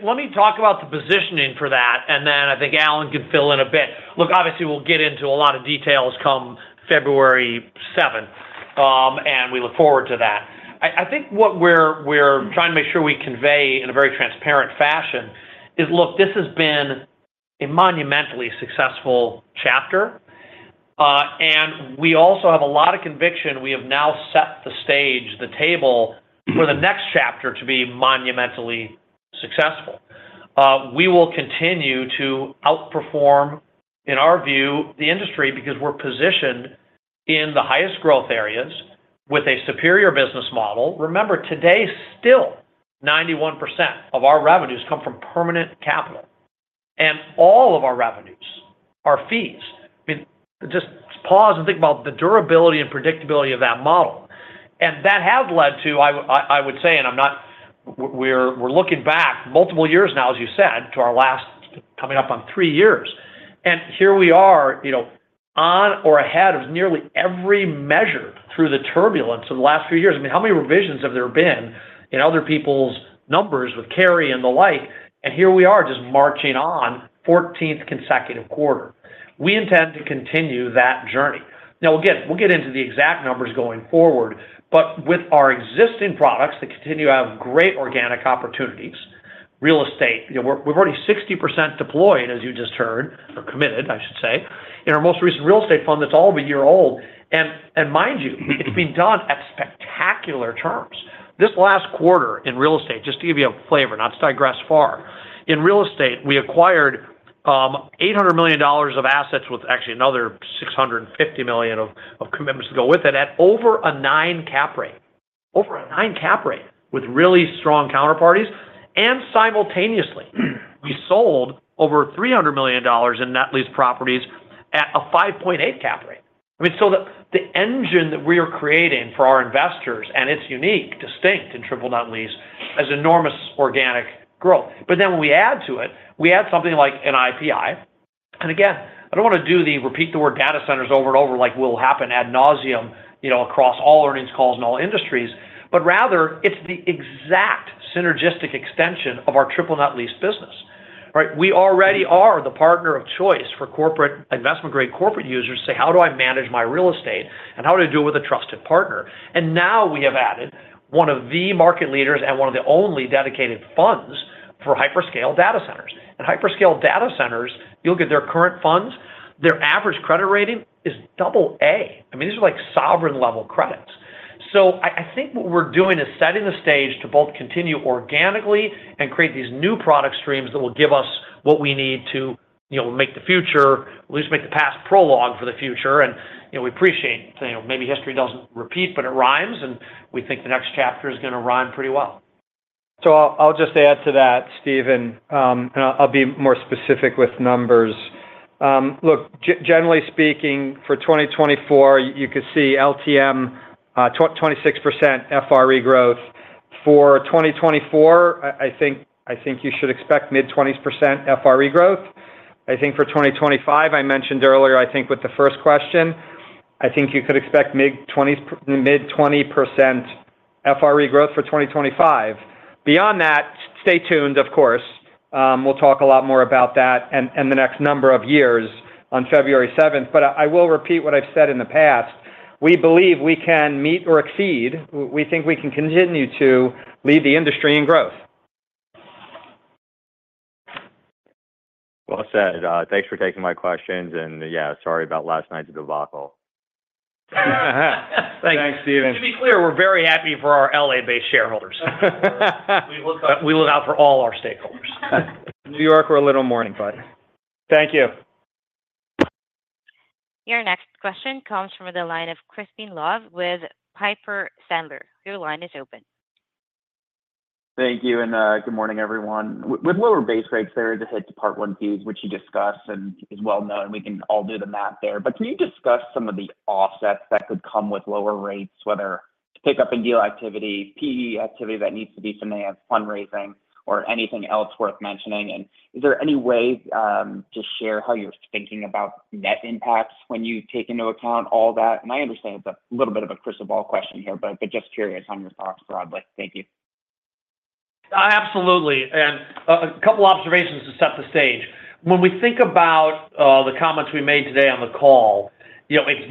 Let me talk about the positioning for that, and then I think Alan can fill in a bit. Look, obviously, we'll get into a lot of details come February 7th, and we look forward to that. I think what we're trying to make sure we convey in a very transparent fashion is, look, this has been a monumentally successful chapter, and we also have a lot of conviction we have now set the stage, the table for the next chapter to be monumentally successful. We will continue to outperform, in our view, the industry because we're positioned in the highest growth areas with a superior business model. Remember, today, still, 91% of our revenues come from permanent capital, and all of our revenues are fees. I mean, just pause and think about the durability and predictability of that model. And that has led to, I would say, and we're looking back multiple years now, as you said, to our last coming up on three years. And here we are on or ahead of nearly every measure through the turbulence of the last few years. I mean, how many revisions have there been in other people's numbers with carry and the like? And here we are just marching on 14th consecutive quarter. We intend to continue that journey. Now, again, we'll get into the exact numbers going forward, but with our existing products that continue to have great organic opportunities, real estate, we've already 60% deployed, as you just heard, or committed, I should say, in our most recent real estate fund that's all of a year old. And mind you, it's been done at spectacular terms. This last quarter in real estate, just to give you a flavor, not to digress far, in real estate, we acquired $800 million of assets with actually another $650 million of commitments to go with it at over a 9% cap rate, over a 9% cap rate with really strong counterparties. And simultaneously, we sold over $300 million in net lease properties at a 5.8% cap rate. I mean, so the engine that we are creating for our investors, and it's unique, distinct in triple net lease, has enormous organic growth. But then when we add to it, we add something like an IPI. And again, I don't want to repeat the word data centers over and over like will happen ad nauseam across all earnings calls in all industries, but rather, it's the exact synergistic extension of our triple net lease business. Right? We already are the partner of choice for investment-grade corporate users to say, "How do I manage my real estate, and how do I do it with a trusted partner?" And now we have added one of the market leaders and one of the only dedicated funds for hyperscale data centers. Hyperscale data centers, you look at their current funds, their average credit rating is AA. I mean, these are like sovereign-level credits. So I think what we're doing is setting the stage to both continue organically and create these new product streams that will give us what we need to make the future, at least make the past prologue for the future. And we appreciate maybe history doesn't repeat, but it rhymes, and we think the next chapter is going to rhyme pretty well. So I'll just add to that, Steven, and I'll be more specific with numbers. Look, generally speaking, for 2024, you could see LTM 26% FRE growth. For 2024, I think you should expect mid-20% FRE growth. I think for 2025, I mentioned earlier, I think you could expect mid-20% FRE growth for 2025. Beyond that, stay tuned, of course. We'll talk a lot more about that in the next number of years on February 7th. But I will repeat what I've said in the past. We believe we can meet or exceed. We think we can continue to lead the industry in growth. Well said. Thanks for taking my questions. And yeah, sorry about last night's debacle. Thanks, Steven. To be clear, we're very happy for our LA-based shareholders. We look out for all our stakeholders. New Yorker, a little mourning, buddy. Thank you. Your next question comes from the line of Crispin Love with Piper Sandler. Your line is open. Thank you. And good morning, everyone. With lower base rates, there is a hit to Part I fees, which you discussed, and it's well known. We can all do the math there. But can you discuss some of the offsets that could come with lower rates, whether pickup and deal activity, PE activity that needs to be financed, fundraising, or anything else worth mentioning? And is there any way to share how you're thinking about net impacts when you take into account all that? And I understand it's a little bit of a crystal ball question here, but just curious on your thoughts broadly. Thank you. Absolutely. And a couple of observations to set the stage. When we think about the comments we made today on the call, it's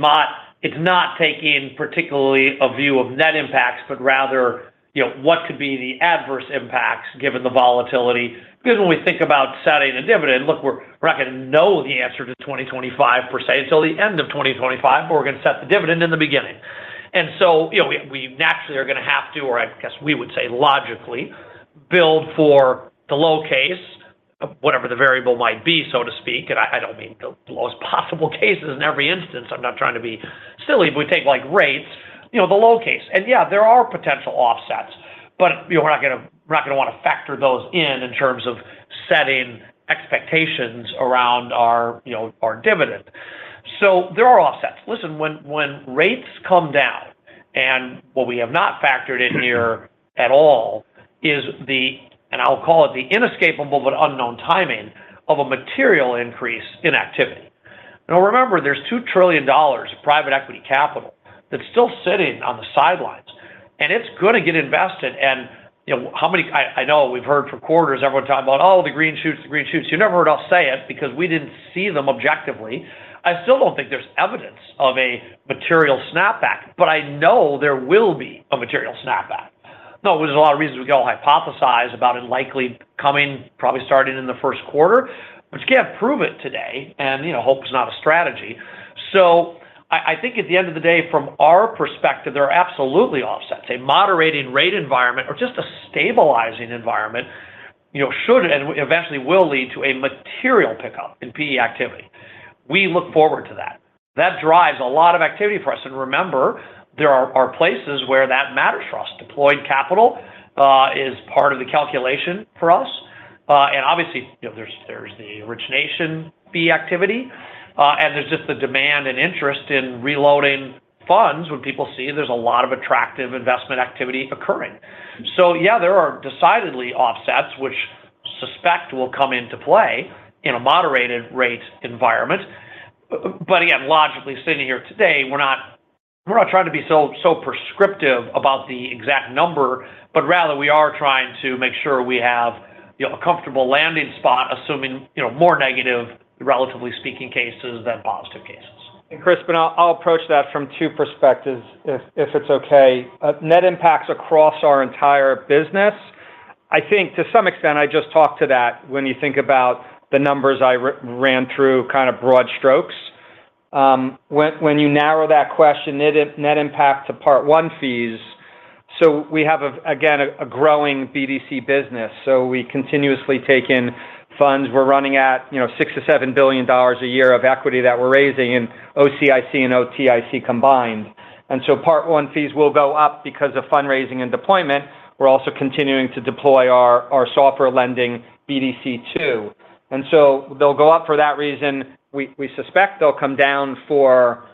not taking particularly a view of net impacts, but rather what could be the adverse impacts given the volatility. Because when we think about setting a dividend, look, we're not going to know the answer to 2025 per se until the end of 2025, but we're going to set the dividend in the beginning. And so we naturally are going to have to, or I guess we would say logically, build for the low case, whatever the variable might be, so to speak. And I don't mean the lowest possible cases in every instance. I'm not trying to be silly, but we take rates, the low case. And yeah, there are potential offsets, but we're not going to want to factor those in in terms of setting expectations around our dividend. So there are offsets. Listen, when rates come down, and what we have not factored in here at all is the, and I'll call it the inescapable but unknown timing of a material increase in activity. Now, remember, there's $2 trillion of private equity capital that's still sitting on the sidelines, and it's going to get invested. And I know we've heard for quarters, everyone talking about, "Oh, the green shoots, the green shoots." You never heard us say it because we didn't see them objectively. I still don't think there's evidence of a material snapback, but I know there will be a material snapback. No, there's a lot of reasons we could all hypothesize about it likely coming, probably starting in the first quarter, but you can't prove it today, and hope is not a strategy. So I think at the end of the day, from our perspective, there are absolutely offsets. A moderating rate environment or just a stabilizing environment should and eventually will lead to a material pickup in PE activity. We look forward to that. That drives a lot of activity for us. And remember, there are places where that matters for us. Deployed capital is part of the calculation for us. And obviously, there's the origination fee activity, and there's just the demand and interest in reloading funds when people see there's a lot of attractive investment activity occurring. So yeah, there are decidedly offsets, which we suspect will come into play in a moderated rate environment. But again, logically, sitting here today, we're not trying to be so prescriptive about the exact number, but rather, we are trying to make sure we have a comfortable landing spot, assuming more negative, relatively speaking, cases than positive cases. And Crispin, I'll approach that from two perspectives, if it's okay. Net impacts across our entire business, I think to some extent, I just talked to that when you think about the numbers I ran through kind of broad strokes. When you narrow that question, net impact to Part I fees, so we have, again, a growing BDC business. So we continuously take in funds. We're running at $6 billion-$7 billion a year of equity that we're raising in OCIC and OTIC combined. And so Part I fees will go up because of fundraising and deployment. We're also continuing to deploy our software lending BDC too. And so they'll go up for that reason. We suspect they'll come down for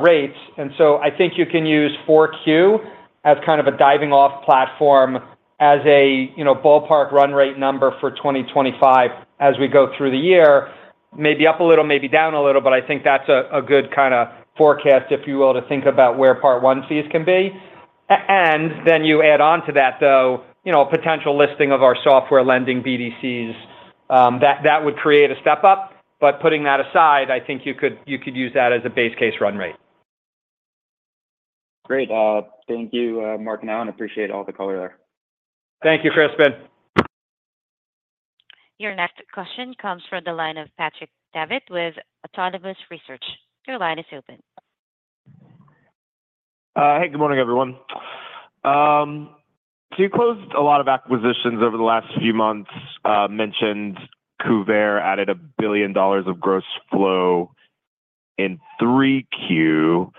rates. And so I think you can use 4Q as kind of a diving-off platform as a ballpark run rate number for 2025 as we go through the year. Maybe up a little, maybe down a little, but I think that's a good kind of forecast, if you will, to think about where Part I fees can be. And then you add on to that, though, potential listing of our software lending BDCs. That would create a step up. But putting that aside, I think you could use that as a base case run rate. Great. Thank you, Marc and Alan. Appreciate all the color there. Thank you, Crispin. Your next question comes from the line of Patrick Davitt with Autonomous Research. Your line is open. Hey, good morning, everyone. So you closed a lot of acquisitions over the last few months. Mentioned Kuvare added $1 billion of gross flow in 3Q.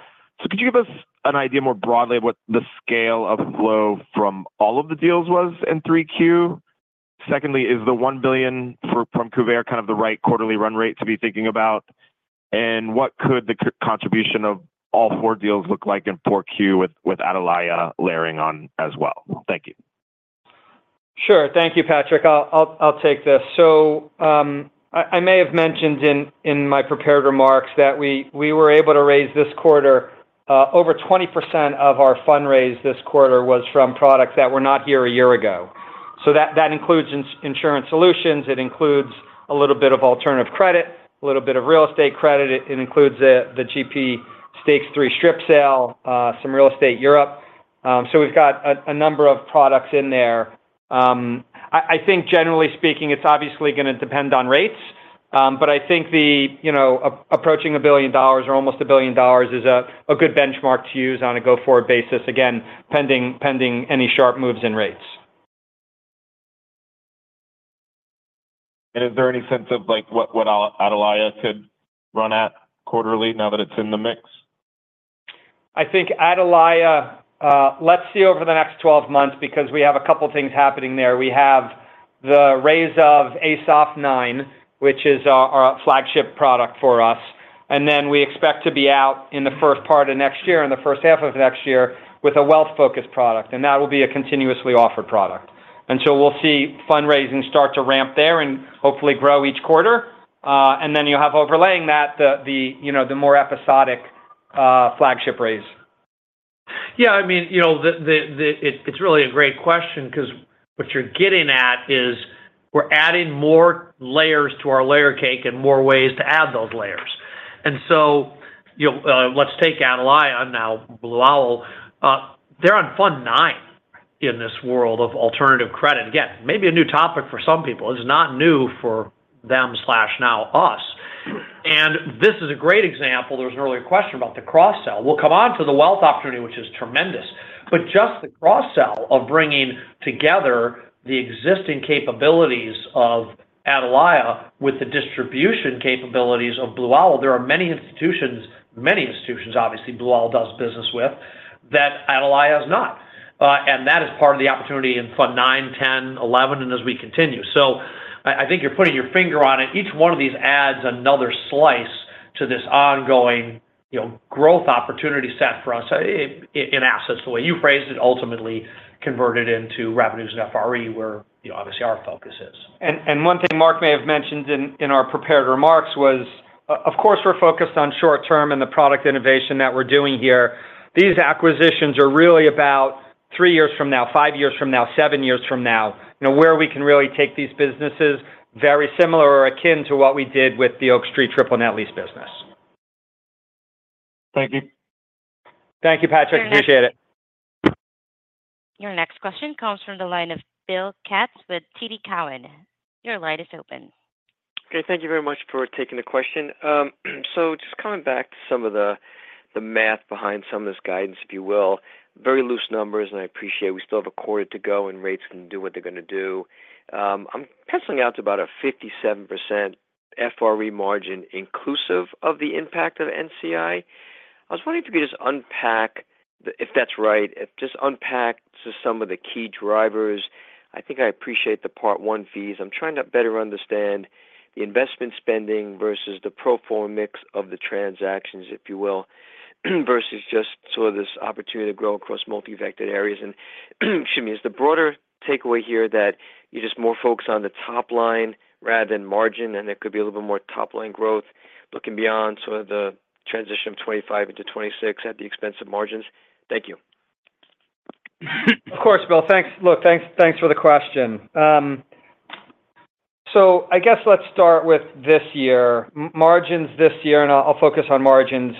So could you give us an idea more broadly of what the scale of flow from all of the deals was in 3Q? Secondly, is the $1 billion from Kuvare kind of the right quarterly run rate to be thinking about? And what could the contribution of all four deals look like in 4Q with Atalaya layering on as well? Thank you. Sure. Thank you, Patrick. I'll take this. So I may have mentioned in my prepared remarks that we were able to raise this quarter. Over 20% of our fundraise this quarter was from products that were not here a year ago. So that includes insurance solutions. It includes a little bit of alternative credit, a little bit of real estate credit. It includes the GP Stakes III strip sale, some real estate Europe. So we've got a number of products in there. I think, generally speaking, it's obviously going to depend on rates, but I think approaching $1 billion or almost $1 billion is a good benchmark to use on a go-forward basis, again, pending any sharp moves in rates. Is there any sense of what Atalaya could run at quarterly now that it's in the mix? I think Atalaya, let's see over the next 12 months because we have a couple of things happening there. We have the raise of ASOF IX, which is our flagship product for us. Then we expect to be out in the first part of next year and the first half of next year with a wealth-focused product. And that will be a continuously offered product. And so we'll see fundraising start to ramp there and hopefully grow each quarter. And then you'll have overlaying that the more episodic flagship raise. Yeah. I mean, it's really a great question because what you're getting at is we're adding more layers to our layer cake and more ways to add those layers. And so let's take Atalaya now, Blue Owl. They're on Fund 9 in this world of alternative credit. Again, maybe a new topic for some people. It's not new for them, now us. And this is a great example. There was an earlier question about the cross-sell. We'll come on to the wealth opportunity, which is tremendous. But just the cross-sell of bringing together the existing capabilities of Atalaya with the distribution capabilities of Blue Owl. There are many institutions, obviously, Blue Owl does business with that Atalaya is not. And that is part of the opportunity in Fund 9, 10, 11, and as we continue. So I think you're putting your finger on it. Each one of these adds another slice to this ongoing growth opportunity set for us in assets, the way you phrased it, ultimately converted into revenues and FRE, where obviously our focus is. And one thing Marc may have mentioned in our prepared remarks was, of course, we're focused on short-term and the product innovation that we're doing here. These acquisitions are really about three years from now, five years from now, seven years from now, where we can really take these businesses very similar or akin to what we did with the Oak Street triple net lease business. Thank you. Thank you, Patrick. Appreciate it. Your next question comes from the line of Bill Katz with TD Cowen. Your line is open. Okay. Thank you very much for taking the question. So just coming back to some of the math behind some of this guidance, if you will, very loose numbers, and I appreciate it. We still have a quarter to go, and rates can do what they're going to do. I'm penciling out to about a 57% FRE margin inclusive of the impact of NCI. I was wondering if you could just unpack, if that's right, just unpack some of the key drivers. I think I appreciate the Part I fees. I'm trying to better understand the investment spending versus the pro forma mix of the transactions, if you will, versus just sort of this opportunity to grow across multi-vectored areas. Excuse me, is the broader takeaway here that you just more focus on the top line rather than margins, and there could be a little bit more top line growth looking beyond sort of the transition of 2025 into 2026 at the expense of m argins? Thank you. Of course, Bill. Thanks. Look, thanks for the question. I guess let's start with this year. Margins this year, and I'll focus on margins,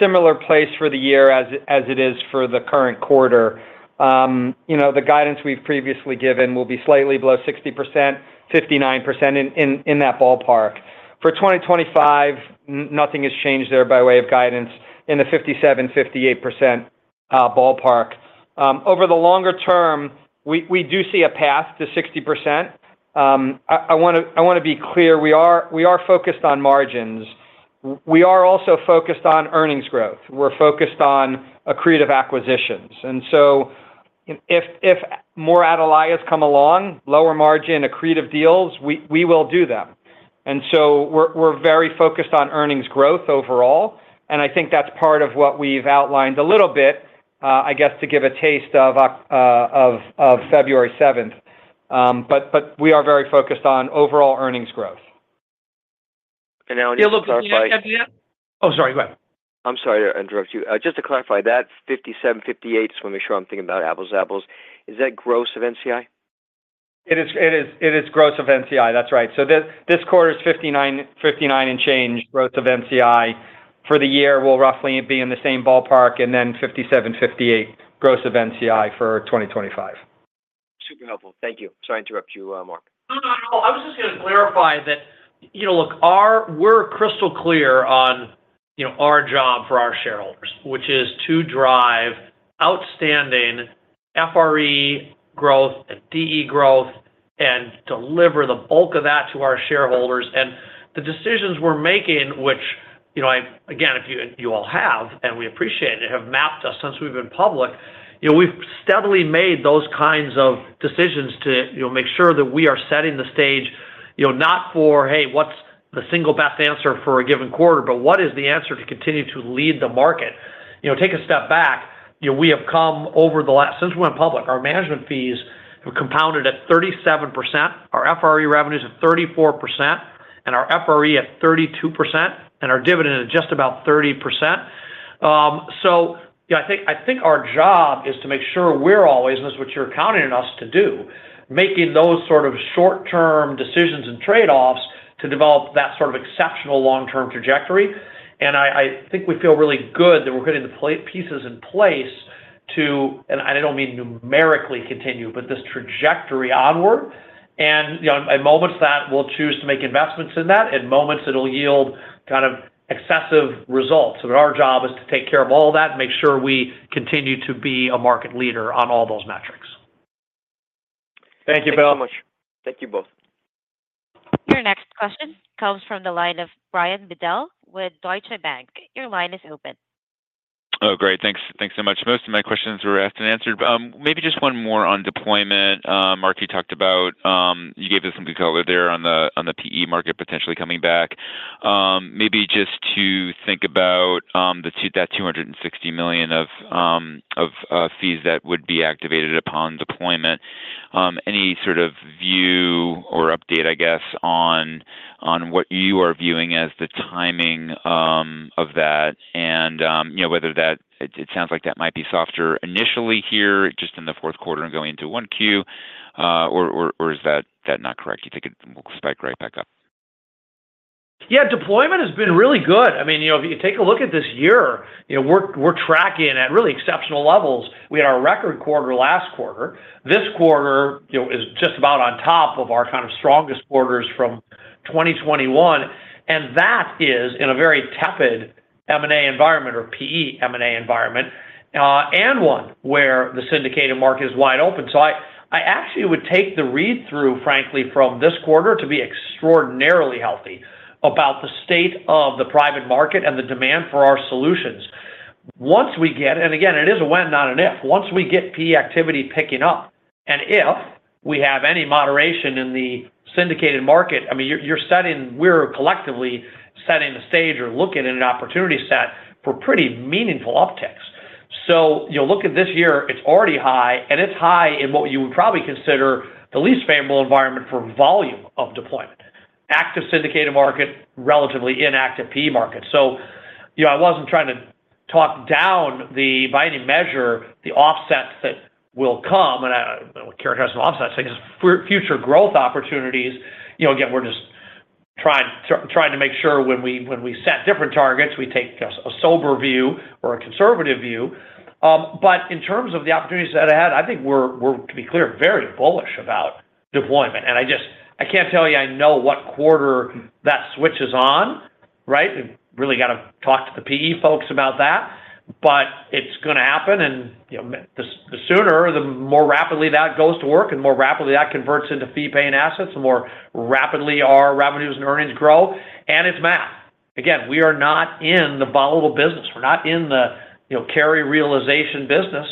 similar place for the year as it is for the current quarter. The guidance we've previously given will be slightly below 60%, 59% in that ballpark. For 2025, nothing has changed there by way of guidance in the 57%-58% ballpark. Over the longer term, we do see a path to 60%. I want to be clear. We are focused on margins. We are also focused on earnings growth. We're focused on accretive acquisitions. And so if more Atalayas come along, lower margin, accretive deals, we will do them. And so we're very focused on earnings growth overall. And I think that's part of what we've outlined a little bit, I guess, to give a taste of February 7th. But we are very focused on overall earnings growth. And now, it looks like. Oh, sorry. Go ahead. I'm sorry to interrupt you. Just to clarify, that 57, 58, just want to make sure I'm thinking about apples to apples, is that gross of NCI? It is gross of NCI. That's right. So this quarter is 59 and change, gross of NCI. For the year, we'll roughly be in the same ballpark, and then 57, 58 gross of NCI for 2025. Super helpful. Thank you. Sorry to interrupt you, Marc. No, no, no. I was just going to clarify that, look, we're crystal clear on our job for our shareholders, which is to drive outstanding FRE growth and DE growth and deliver the bulk of that to our shareholders, and the decisions we're making, which, again, you all have, and we appreciate it, have mapped us since we've been public. We've steadily made those kinds of decisions to make sure that we are setting the stage not for, "Hey, what's the single best answer for a given quarter?" but, "What is the answer to continue to lead the market?" Take a step back. We have come over the last since we went public, our management fees have compounded at 37%, our FRE revenues at 34%, and our FRE at 32%, and our dividend at just about 30%. So I think our job is to make sure we're always, and that's what you're counting on us to do, making those sort of short-term decisions and trade-offs to develop that sort of exceptional long-term trajectory. And I think we feel really good that we're getting the pieces in place to, and I don't mean numerically continue, but this trajectory onward. And at moments that we'll choose to make investments in that, at moments it'll yield kind of excessive results. But our job is to take care of all that and make sure we continue to be a market leader on all those metrics. Thank you, Bill. Thank you both. Your next question comes from the line of Brian Bedell with Deutsche Bank. Your line is open. Oh, great. Thanks so much. Most of my questions were asked and answered. Maybe just one more on deployment. Marc, you talked about you gave us some good color there on the PE market potentially coming back. Maybe just to think about that $260 million of fees that would be activated upon deployment. Any sort of view or update, I guess, on what you are viewing as the timing of that and whether it sounds like that might be softer initially here, just in the fourth quarter and going into 1Q, or is that not correct? You think it will spike right back up? Yeah. Deployment has been really good. I mean, if you take a look at this year, we're tracking at really exceptional levels. We had our record quarter last quarter. This quarter is just about on top of our kind of strongest quarters from 2021. And that is in a very tepid M&A environment or PE M&A environment and one where the syndicated market is wide open. So I actually would take the read-through, frankly, from this quarter to be extraordinarily healthy about the state of the private market and the demand for our solutions. Once we get, and again, it is a when, not an if, once we get PE activity picking up, and if we have any moderation in the syndicated market, I mean, we're collectively setting the stage or looking at an opportunity set for pretty meaningful uptakes. So you'll look at this year, it's already high, and it's high in what you would probably consider the least favorable environment for volume of deployment: active syndicated market, relatively inactive PE market. So I wasn't trying to talk down, by any measure, the offsets that will come. And I characterize them as offsets because of future growth opportunities. Again, we're just trying to make sure when we set different targets, we take a sober view or a conservative view. But in terms of the opportunities that I had, I think we're, to be clear, very bullish about deployment. And I can't tell you I know what quarter that switch is on, right? Really got to talk to the PE folks about that. But it's going to happen. And the sooner, the more rapidly that goes to work, and the more rapidly that converts into fee-paying assets, the more rapidly our revenues and earnings grow. And it's math. Again, we are not in the volatile business. We're not in the carry realization business.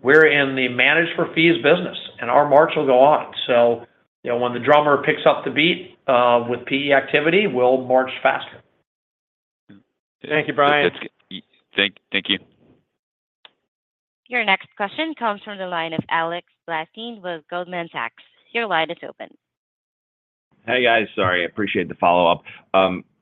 We're in the managed-for-fees business. And our march will go on. So when the drummer picks up the beat with PE activity, we'll march faster. Thank you, Brian. Thank you. Your next question comes from the line of Alex Blostein with Goldman Sachs. Your line is open. Hey, guys. Sorry. I appreciate the follow-up.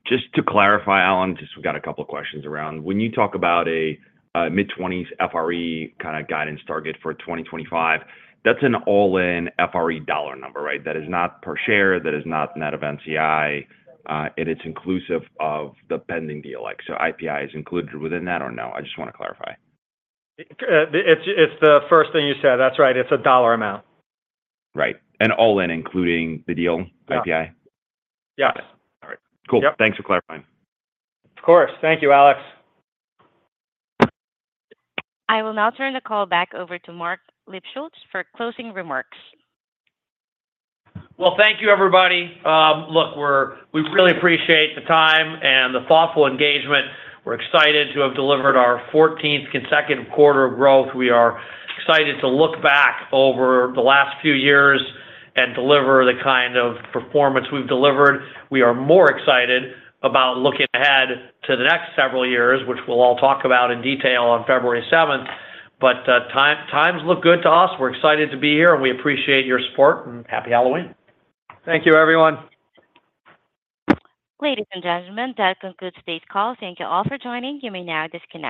Just to clarify, Alan, just we got a couple of questions around. When you talk about a mid-20s FRE kind of guidance target for 2025, that's an all-in FRE dollar number, right? That is not per share. That is not net of NCI. And it's inclusive of the pending deal. So IPI is included within that or no? I just want to clarify. It's the first thing you said. That's right. It's a dollar amount. Right. And all-in, including the deal, IPI? Yes. All right. Cool. Thanks for clarifying. Of course. Thank you, Alex. I will now turn the call back over to Marc Lipschultz for closing remarks. Well, thank you, everybody. Look, we really appreciate the time and the thoughtful engagement. We're excited to have delivered our 14th consecutive quarter of growth. We are excited to look back over the last few years and deliver the kind of performance we've delivered. We are more excited about looking ahead to the next several years, which we'll all talk about in detail on February 7th. But times look good to us. We're excited to be here, and we appreciate your support. And happy Halloween. Thank you, everyone. Ladies and gentlemen, that concludes today's call. Thank you all for joining. You may now disconnect.